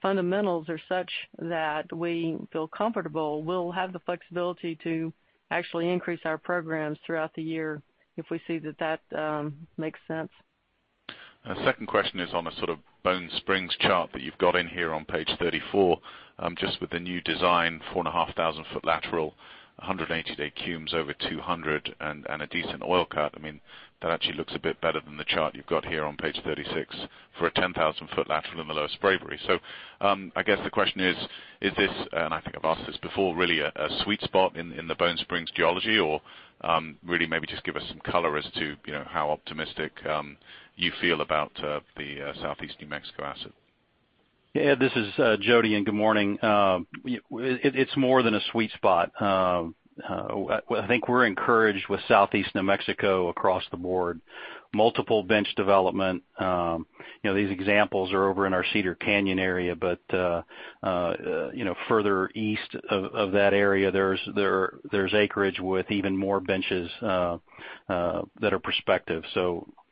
fundamentals are such that we feel comfortable, we'll have the flexibility to actually increase our programs throughout the year if we see that that makes sense. Second question is on a sort of Bone Spring chart that you've got in here on page 34. Just with the new design, 4,500-foot lateral, 180-day cumes over 200 and a decent oil cut. That actually looks a bit better than the chart you've got here on page 36 for a 10,000-foot lateral in the Lower Spraberry. I guess the question is this, and I think I've asked this before, really a sweet spot in the Bone Spring geology? Or really maybe just give us some color as to how optimistic you feel about the Southeast New Mexico asset. Ed, this is Jody, and good morning. It's more than a sweet spot. I think we're encouraged with Southeast New Mexico across the board. Multiple bench development. These examples are over in our Cedar Canyon area, but further east of that area, there's acreage with even more benches that are prospective.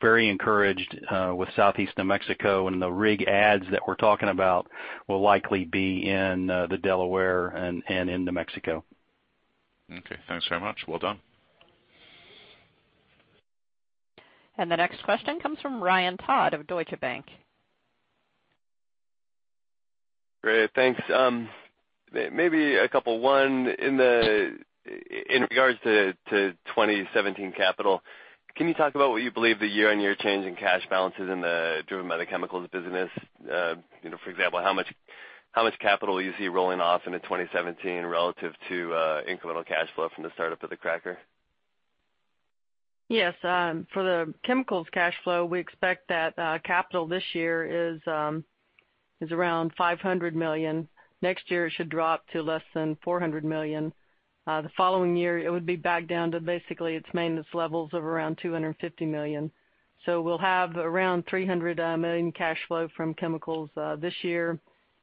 Very encouraged with Southeast New Mexico, and the rig adds that we're talking about will likely be in the Delaware and in New Mexico. Okay, thanks very much. Well done. The next question comes from Ryan Todd of Deutsche Bank. Great. Thanks. Maybe a couple. One, in regards to 2017 capital, can you talk about what you believe the year-on-year change in cash balances driven by the chemicals business? For example, how much capital you see rolling off into 2017 relative to incremental cash flow from the startup of the cracker? Yes. For the chemicals cash flow, we expect that capital this year is around $500 million. Next year, it should drop to less than $400 million. The following year, it would be back down to basically its maintenance levels of around $250 million. We'll have around $300 million cash flow from chemicals this year,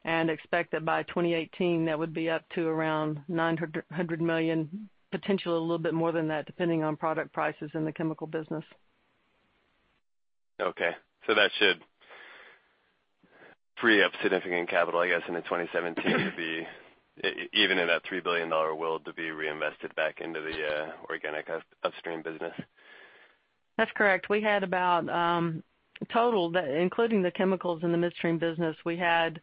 and expect that by 2018, that would be up to around $900 million, potentially a little bit more than that, depending on product prices in the chemical business. Okay. That should free up significant capital, I guess, into 2017 to be, even in that $3 billion will to be reinvested back into the organic upstream business. That's correct. We had about total, including the chemicals in the midstream business, we had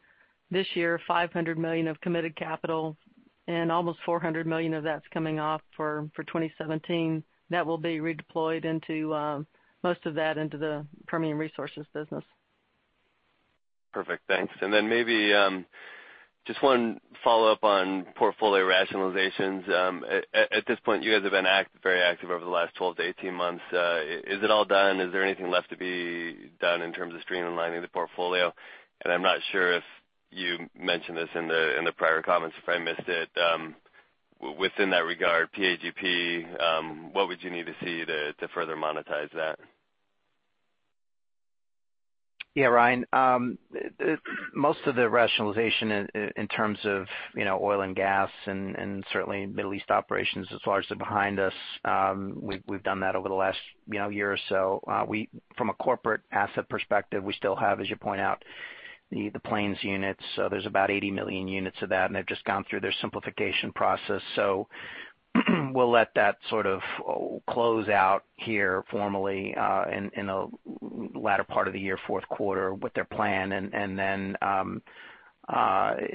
this year $500 million of committed capital, and almost $400 million of that's coming off for 2017. That will be redeployed into most of that into the Permian Resources business. Perfect. Thanks. Then maybe just one follow-up on portfolio rationalizations. At this point, you guys have been very active over the last 12-18 months. Is it all done? Is there anything left to be done in terms of streamlining the portfolio? I'm not sure if you mentioned this in the prior comments, if I missed it. Within that regard, PAGP, what would you need to see to further monetize that? Yeah, Ryan. Most of the rationalization in terms of oil and gas and certainly Middle East operations is largely behind us. We've done that over the last year or so. From a corporate asset perspective, we still have, as you point out, the Plains units. There's about 80 million units of that, and they've just gone through their simplification process. We'll let that sort of close out here formally in the latter part of the year, fourth quarter with their plan. Then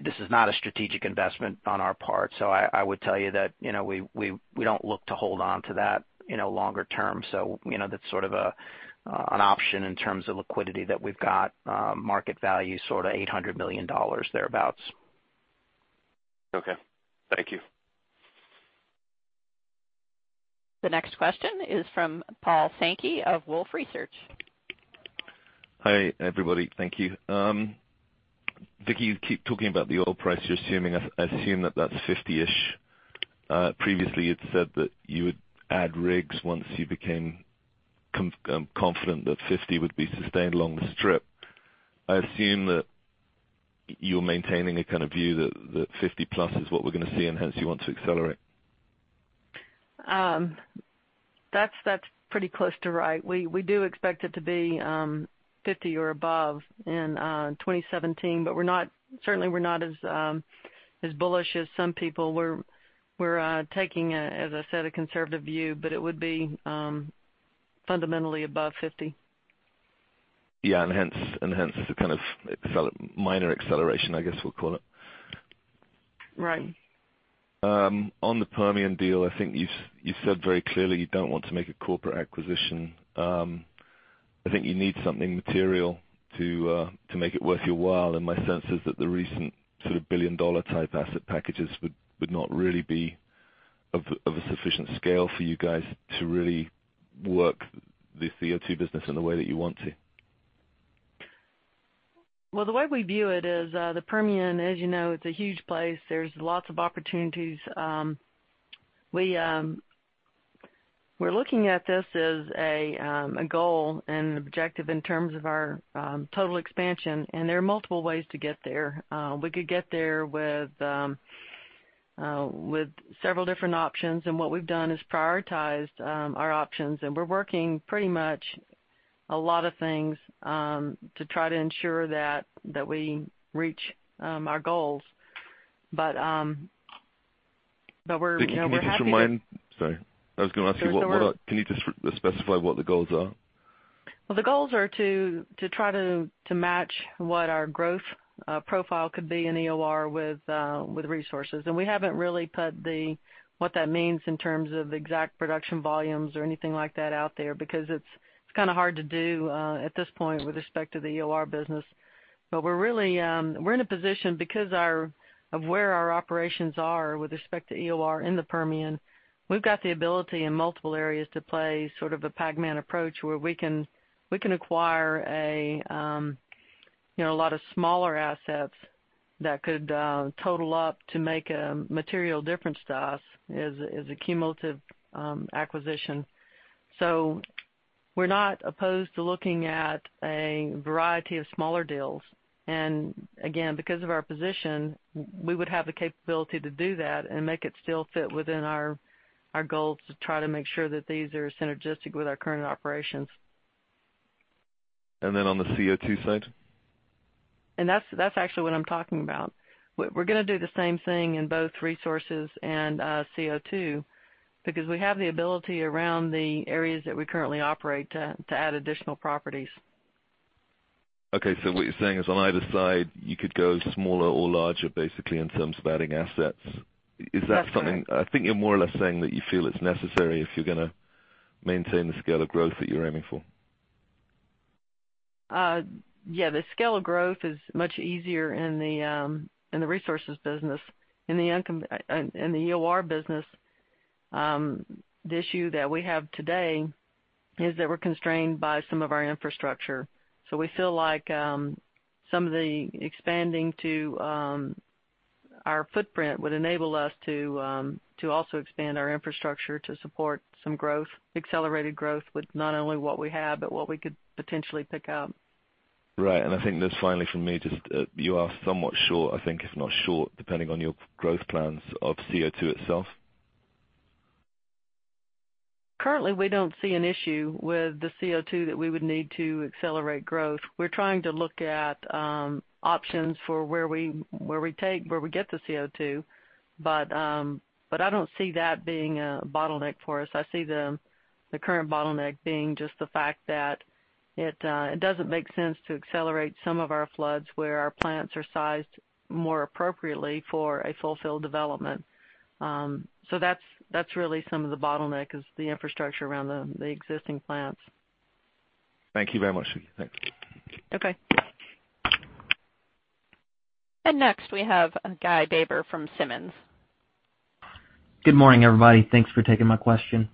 this is not a strategic investment on our part. I would tell you that we don't look to hold onto that longer term. That's sort of an option in terms of liquidity that we've got market value sort of $800 million thereabouts. Okay. Thank you. The next question is from Paul Sankey of Wolfe Research. Hi, everybody. Thank you. Vicki, you keep talking about the oil price. I assume that that's 50-ish. Previously, you'd said that you would add rigs once you became confident that 50 would be sustained along the strip. I assume that you're maintaining a kind of view that 50 plus is what we're going to see, and hence you want to accelerate. That's pretty close to right. We do expect it to be 50 or above in 2017, but certainly we're not as bullish as some people. We're taking, as I said, a conservative view, but it would be fundamentally above 50. Yeah. Hence the minor acceleration, I guess we'll call it. Right. On the Permian deal, I think you said very clearly you don't want to make a corporate acquisition. I think you need something material to make it worth your while, my sense is that the recent sort of billion-dollar type asset packages would not really be of a sufficient scale for you guys to really work the CO2 business in the way that you want to. Well, the way we view it is, the Permian, as you know, it's a huge place. There's lots of opportunities. We're looking at this as a goal and an objective in terms of our total expansion. There are multiple ways to get there. We could get there with several different options. What we've done is prioritized our options. We're working pretty much a lot of things, to try to ensure that we reach our goals. Can you just remind Sorry. I was going to ask you, can you just specify what the goals are? Well, the goals are to try to match what our growth profile could be in EOR with resources. We haven't really put what that means in terms of exact production volumes or anything like that out there, because it's hard to do at this point with respect to the EOR business. We're in a position because of where our operations are with respect to EOR in the Permian. We've got the ability in multiple areas to play sort of a Pac-Man approach, where we can acquire a lot of smaller assets that could total up to make a material difference to us as a cumulative acquisition. We're not opposed to looking at a variety of smaller deals. Again, because of our position, we would have the capability to do that and make it still fit within our goals to try to make sure that these are synergistic with our current operations. Then on the CO2 side? That's actually what I'm talking about. We're going to do the same thing in both resources and CO2, because we have the ability around the areas that we currently operate to add additional properties. Okay. What you're saying is on either side, you could go smaller or larger, basically, in terms of adding assets. That's correct. Is that something I think you're more or less saying that you feel it's necessary if you're going to maintain the scale of growth that you're aiming for. Yeah. The scale of growth is much easier in the resources business. In the EOR business, the issue that we have today is that we're constrained by some of our infrastructure. We feel like some of the expanding to our footprint would enable us to also expand our infrastructure to support some growth, accelerated growth with not only what we have, but what we could potentially pick up. Right. I think just finally from me, just you are somewhat short, I think, if not short, depending on your growth plans of CO2 itself. Currently, we don't see an issue with the CO2 that we would need to accelerate growth. We're trying to look at options for where we get the CO2, but I don't see that being a bottleneck for us. I see the current bottleneck being just the fact that it doesn't make sense to accelerate some of our floods where our plants are sized more appropriately for a fulfilled development. That's really some of the bottleneck is the infrastructure around the existing plants. Thank you very much, Vicki. Thank you. Okay. Next we have Guy Baber from Simmons. Good morning, everybody. Thanks for taking my question.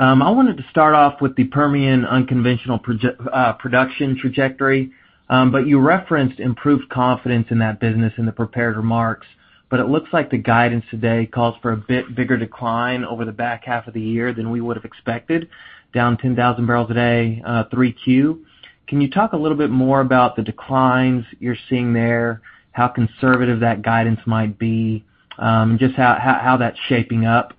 I wanted to start off with the Permian unconventional production trajectory. You referenced improved confidence in that business in the prepared remarks, but it looks like the guidance today calls for a bit bigger decline over the back half of the year than we would've expected, down 10,000 barrels a day, 3Q. Can you talk a little bit more about the declines you're seeing there, how conservative that guidance might be, just how that's shaping up?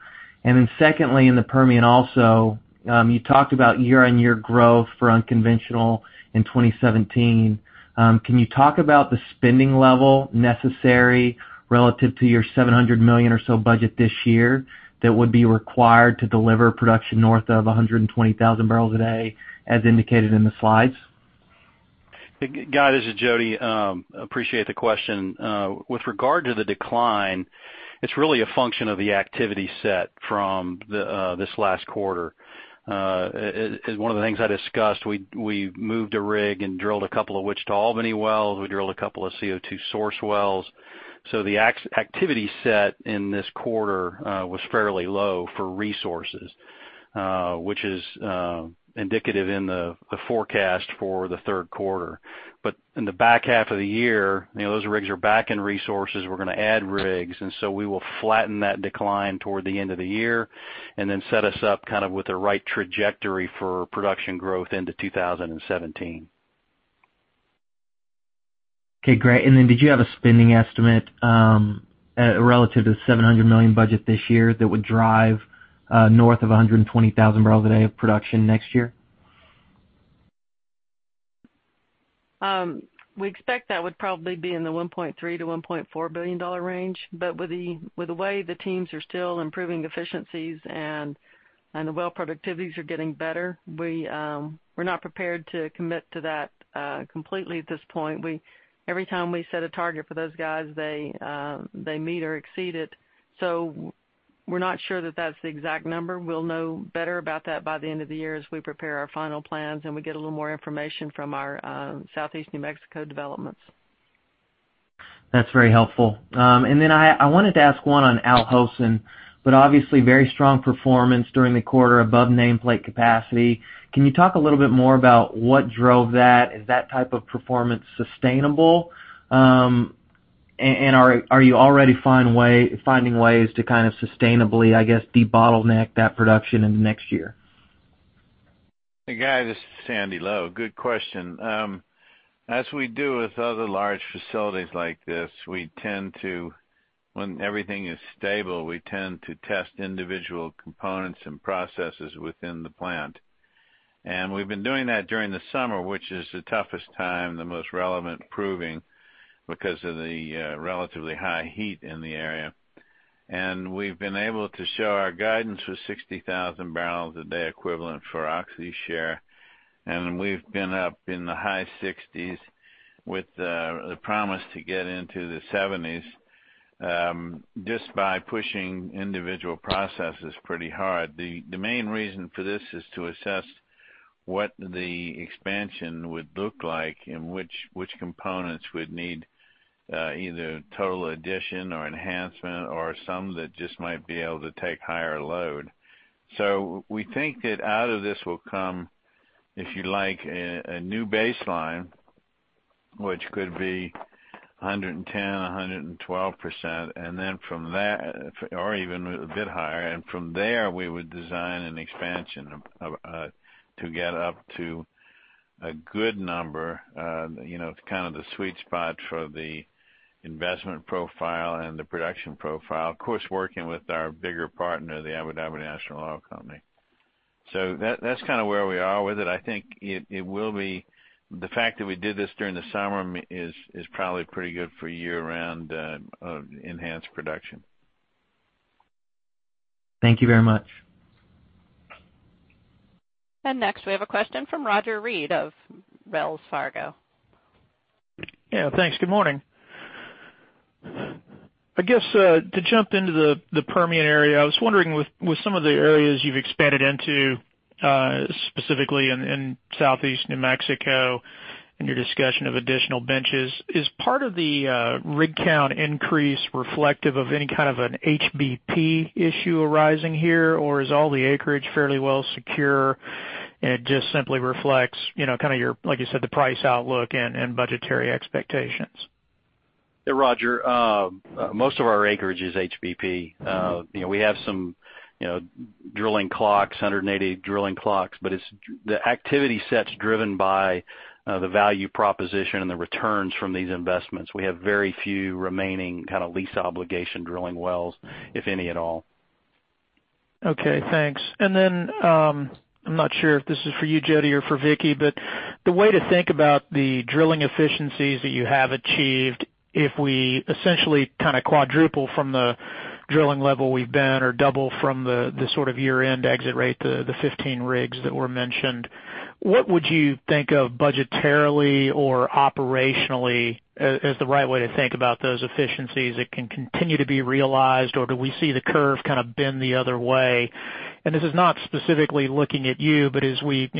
Secondly, in the Permian also, you talked about year-on-year growth for unconventional in 2017. Can you talk about the spending level necessary relative to your $700 million or so budget this year that would be required to deliver production north of 120,000 barrels a day as indicated in the slides? Guy, this is Jody. Appreciate the question. With regard to the decline, it's really a function of the activity set from this last quarter. As one of the things I discussed, we moved a rig and drilled a couple of Wichita Albany wells. We drilled a couple of CO2 source wells. The activity set in this quarter was fairly low for resources, which is indicative in the forecast for the third quarter. In the back half of the year, those rigs are back in resources. We're going to add rigs, we will flatten that decline toward the end of the year and then set us up with the right trajectory for production growth into 2017. Okay, great. Did you have a spending estimate relative to the $700 million budget this year that would drive north of 120,000 barrels a day of production next year? We expect that would probably be in the $1.3 billion-$1.4 billion range. With the way the teams are still improving efficiencies and the well productivities are getting better, we're not prepared to commit to that completely at this point. Every time we set a target for those guys, they meet or exceed it. We're not sure that that's the exact number. We'll know better about that by the end of the year as we prepare our final plans and we get a little more information from our Southeast New Mexico developments. That's very helpful. I wanted to ask one on Al Hosn, obviously very strong performance during the quarter above nameplate capacity. Can you talk a little bit more about what drove that? Is that type of performance sustainable? Are you already finding ways to sustainably, I guess, debottleneck that production in the next year? Hey, guys, this is Sandy Lowe. Good question. As we do with other large facilities like this, when everything is stable, we tend to test individual components and processes within the plant. We've been doing that during the summer, which is the toughest time, the most relevant proving because of the relatively high heat in the area. We've been able to show our guidance for 60,000 barrels a day equivalent for Oxy's share, and we've been up in the high 60s with the promise to get into the 70s, just by pushing individual processes pretty hard. The main reason for this is to assess what the expansion would look like and which components would need either total addition or enhancement, or some that just might be able to take higher load. We think that out of this will come, if you like, a new baseline, which could be 110%, 112%, or even a bit higher. From there, we would design an expansion to get up to a good number. It's kind of the sweet spot for the investment profile and the production profile. Of course, working with our bigger partner, the Abu Dhabi National Oil Company. That's kind of where we are with it. I think the fact that we did this during the summer is probably pretty good for year-round enhanced production. Thank you very much. Next we have a question from Roger Read of Wells Fargo. Yeah, thanks. Good morning. I guess, to jump into the Permian area, I was wondering with some of the areas you've expanded into, specifically in Southeast New Mexico, and your discussion of additional benches, is part of the rig count increase reflective of any kind of an HBP issue arising here, or is all the acreage fairly well secure, and it just simply reflects your, like you said, the price outlook and budgetary expectations? Roger, most of our acreage is HBP. We have some drilling clocks, 180 drilling clocks, the activity set's driven by the value proposition and the returns from these investments. We have very few remaining lease obligation drilling wells, if any at all. Okay, thanks. I'm not sure if this is for you, Jody, or for Vicki, the way to think about the drilling efficiencies that you have achieved, if we essentially quadruple from the drilling level we've been, or double from the sort of year-end exit rate, the 15 rigs that were mentioned, what would you think of budgetarily or operationally as the right way to think about those efficiencies that can continue to be realized, or do we see the curve kind of bend the other way? This is not specifically looking at you, but as we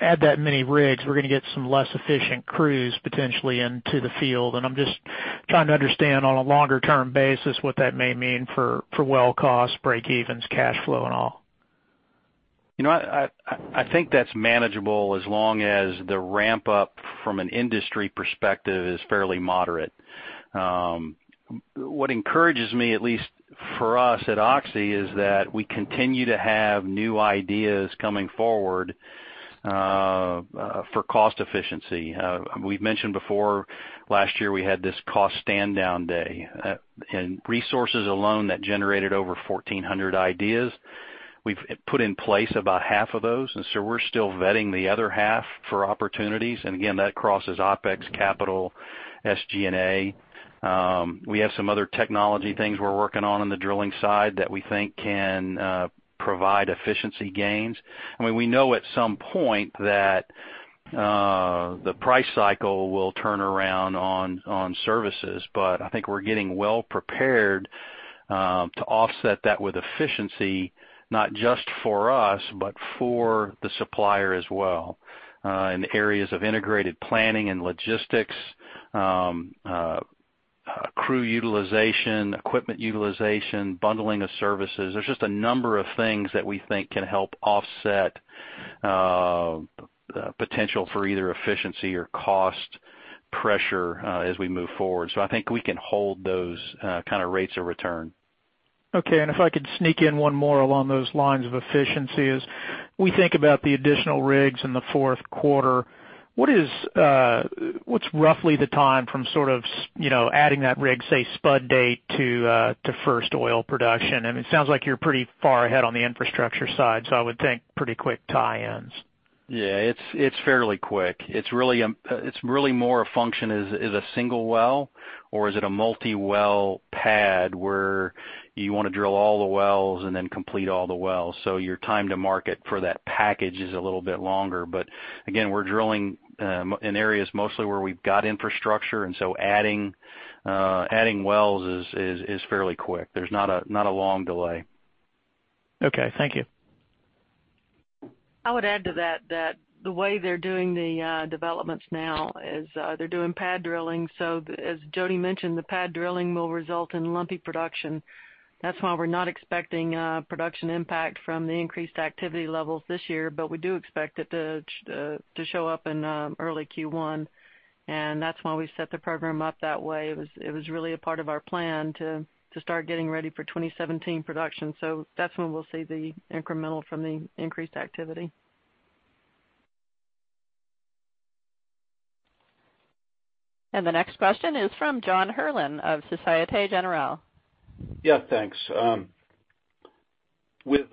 add that many rigs, we're going to get some less efficient crews potentially into the field, and I'm just trying to understand on a longer-term basis what that may mean for well costs, break evens, cash flow, and all. I think that's manageable as long as the ramp-up from an industry perspective is fairly moderate. What encourages me, at least for us at Oxy, is that we continue to have new ideas coming forward for cost efficiency. We've mentioned before, last year we had this cost stand down day. In resources alone, that generated over 1,400 ideas. We've put in place about half of those, we're still vetting the other half for opportunities. Again, that crosses OpEx, capital, SG&A. We have some other technology things we're working on in the drilling side that we think can provide efficiency gains. I mean, we know at some point that the price cycle will turn around on services, I think we're getting well prepared to offset that with efficiency, not just for us, but for the supplier as well. In areas of integrated planning and logistics, crew utilization, equipment utilization, bundling of services. There's just a number of things that we think can help offset potential for either efficiency or cost pressure as we move forward. I think we can hold those kind of rates of return. Okay. If I could sneak in one more along those lines of efficiency is, we think about the additional rigs in the fourth quarter, what's roughly the time from adding that rig, say, spud date to first oil production? It sounds like you're pretty far ahead on the infrastructure side, I would think pretty quick tie-ins. Yeah. It's fairly quick. It's really more a function, is a single well or is it a multi well pad where you want to drill all the wells and then complete all the wells. Your time to market for that package is a little bit longer. Again, we're drilling in areas mostly where we've got infrastructure, adding wells is fairly quick. There's not a long delay. Okay, thank you. I would add to that the way they're doing the developments now is they're doing pad drilling. As Jody mentioned, the pad drilling will result in lumpy production. That's why we're not expecting production impact from the increased activity levels this year. We do expect it to show up in early Q1. That's why we've set the program up that way. It was really a part of our plan to start getting ready for 2017 production. That's when we'll see the incremental from the increased activity. The next question is from John Herrlin of Societe Generale. Yeah, thanks. With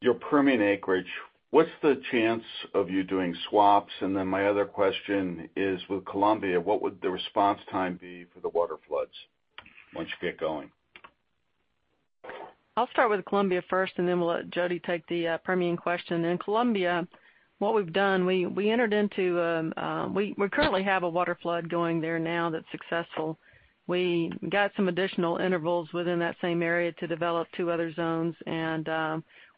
your Permian acreage, what's the chance of you doing swaps? My other question is, with Colombia, what would the response time be for the waterfloods once you get going? I'll start with Colombia first, and then we'll let Jody take the Permian question. In Colombia, we currently have a waterflood going there now that's successful. We got some additional intervals within that same area to develop two other zones, and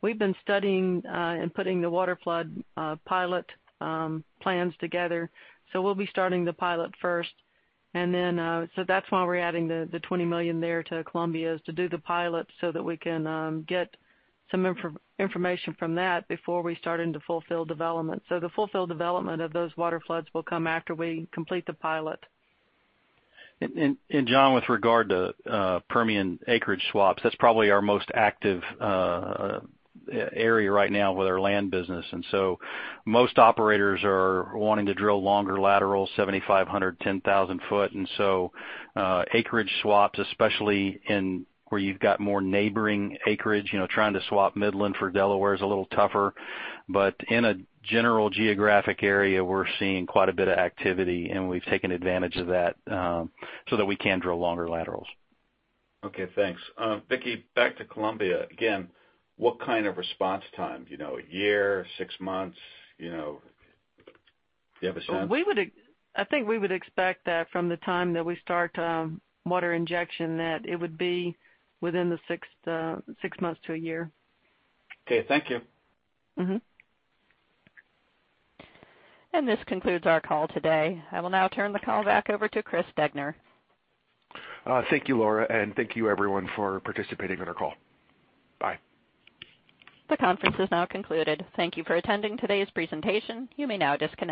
we've been studying and putting the waterflood pilot plans together. We'll be starting the pilot first. That's why we're adding the $20 million there to Colombia, is to do the pilot so that we can get some information from that before we start into full-field development. The full-field development of those waterfloods will come after we complete the pilot. John, with regard to Permian acreage swaps, that's probably our most active area right now with our land business. Most operators are wanting to drill longer laterals, 7,500, 10,000 foot. Acreage swaps, especially where you've got more neighboring acreage. Trying to swap Midland for Delaware is a little tougher. In a general geographic area, we're seeing quite a bit of activity, and we've taken advantage of that, so that we can drill longer laterals. Okay, thanks. Vicki, back to Colombia again. What kind of response time? A year? Six months? Do you have a sense? I think we would expect that from the time that we start water injection, that it would be within the six months to a year. Okay, thank you. This concludes our call today. I will now turn the call back over to Chris Degner. Thank you, Laura, and thank you everyone for participating on our call. Bye. The conference is now concluded. Thank you for attending today's presentation. You may now disconnect.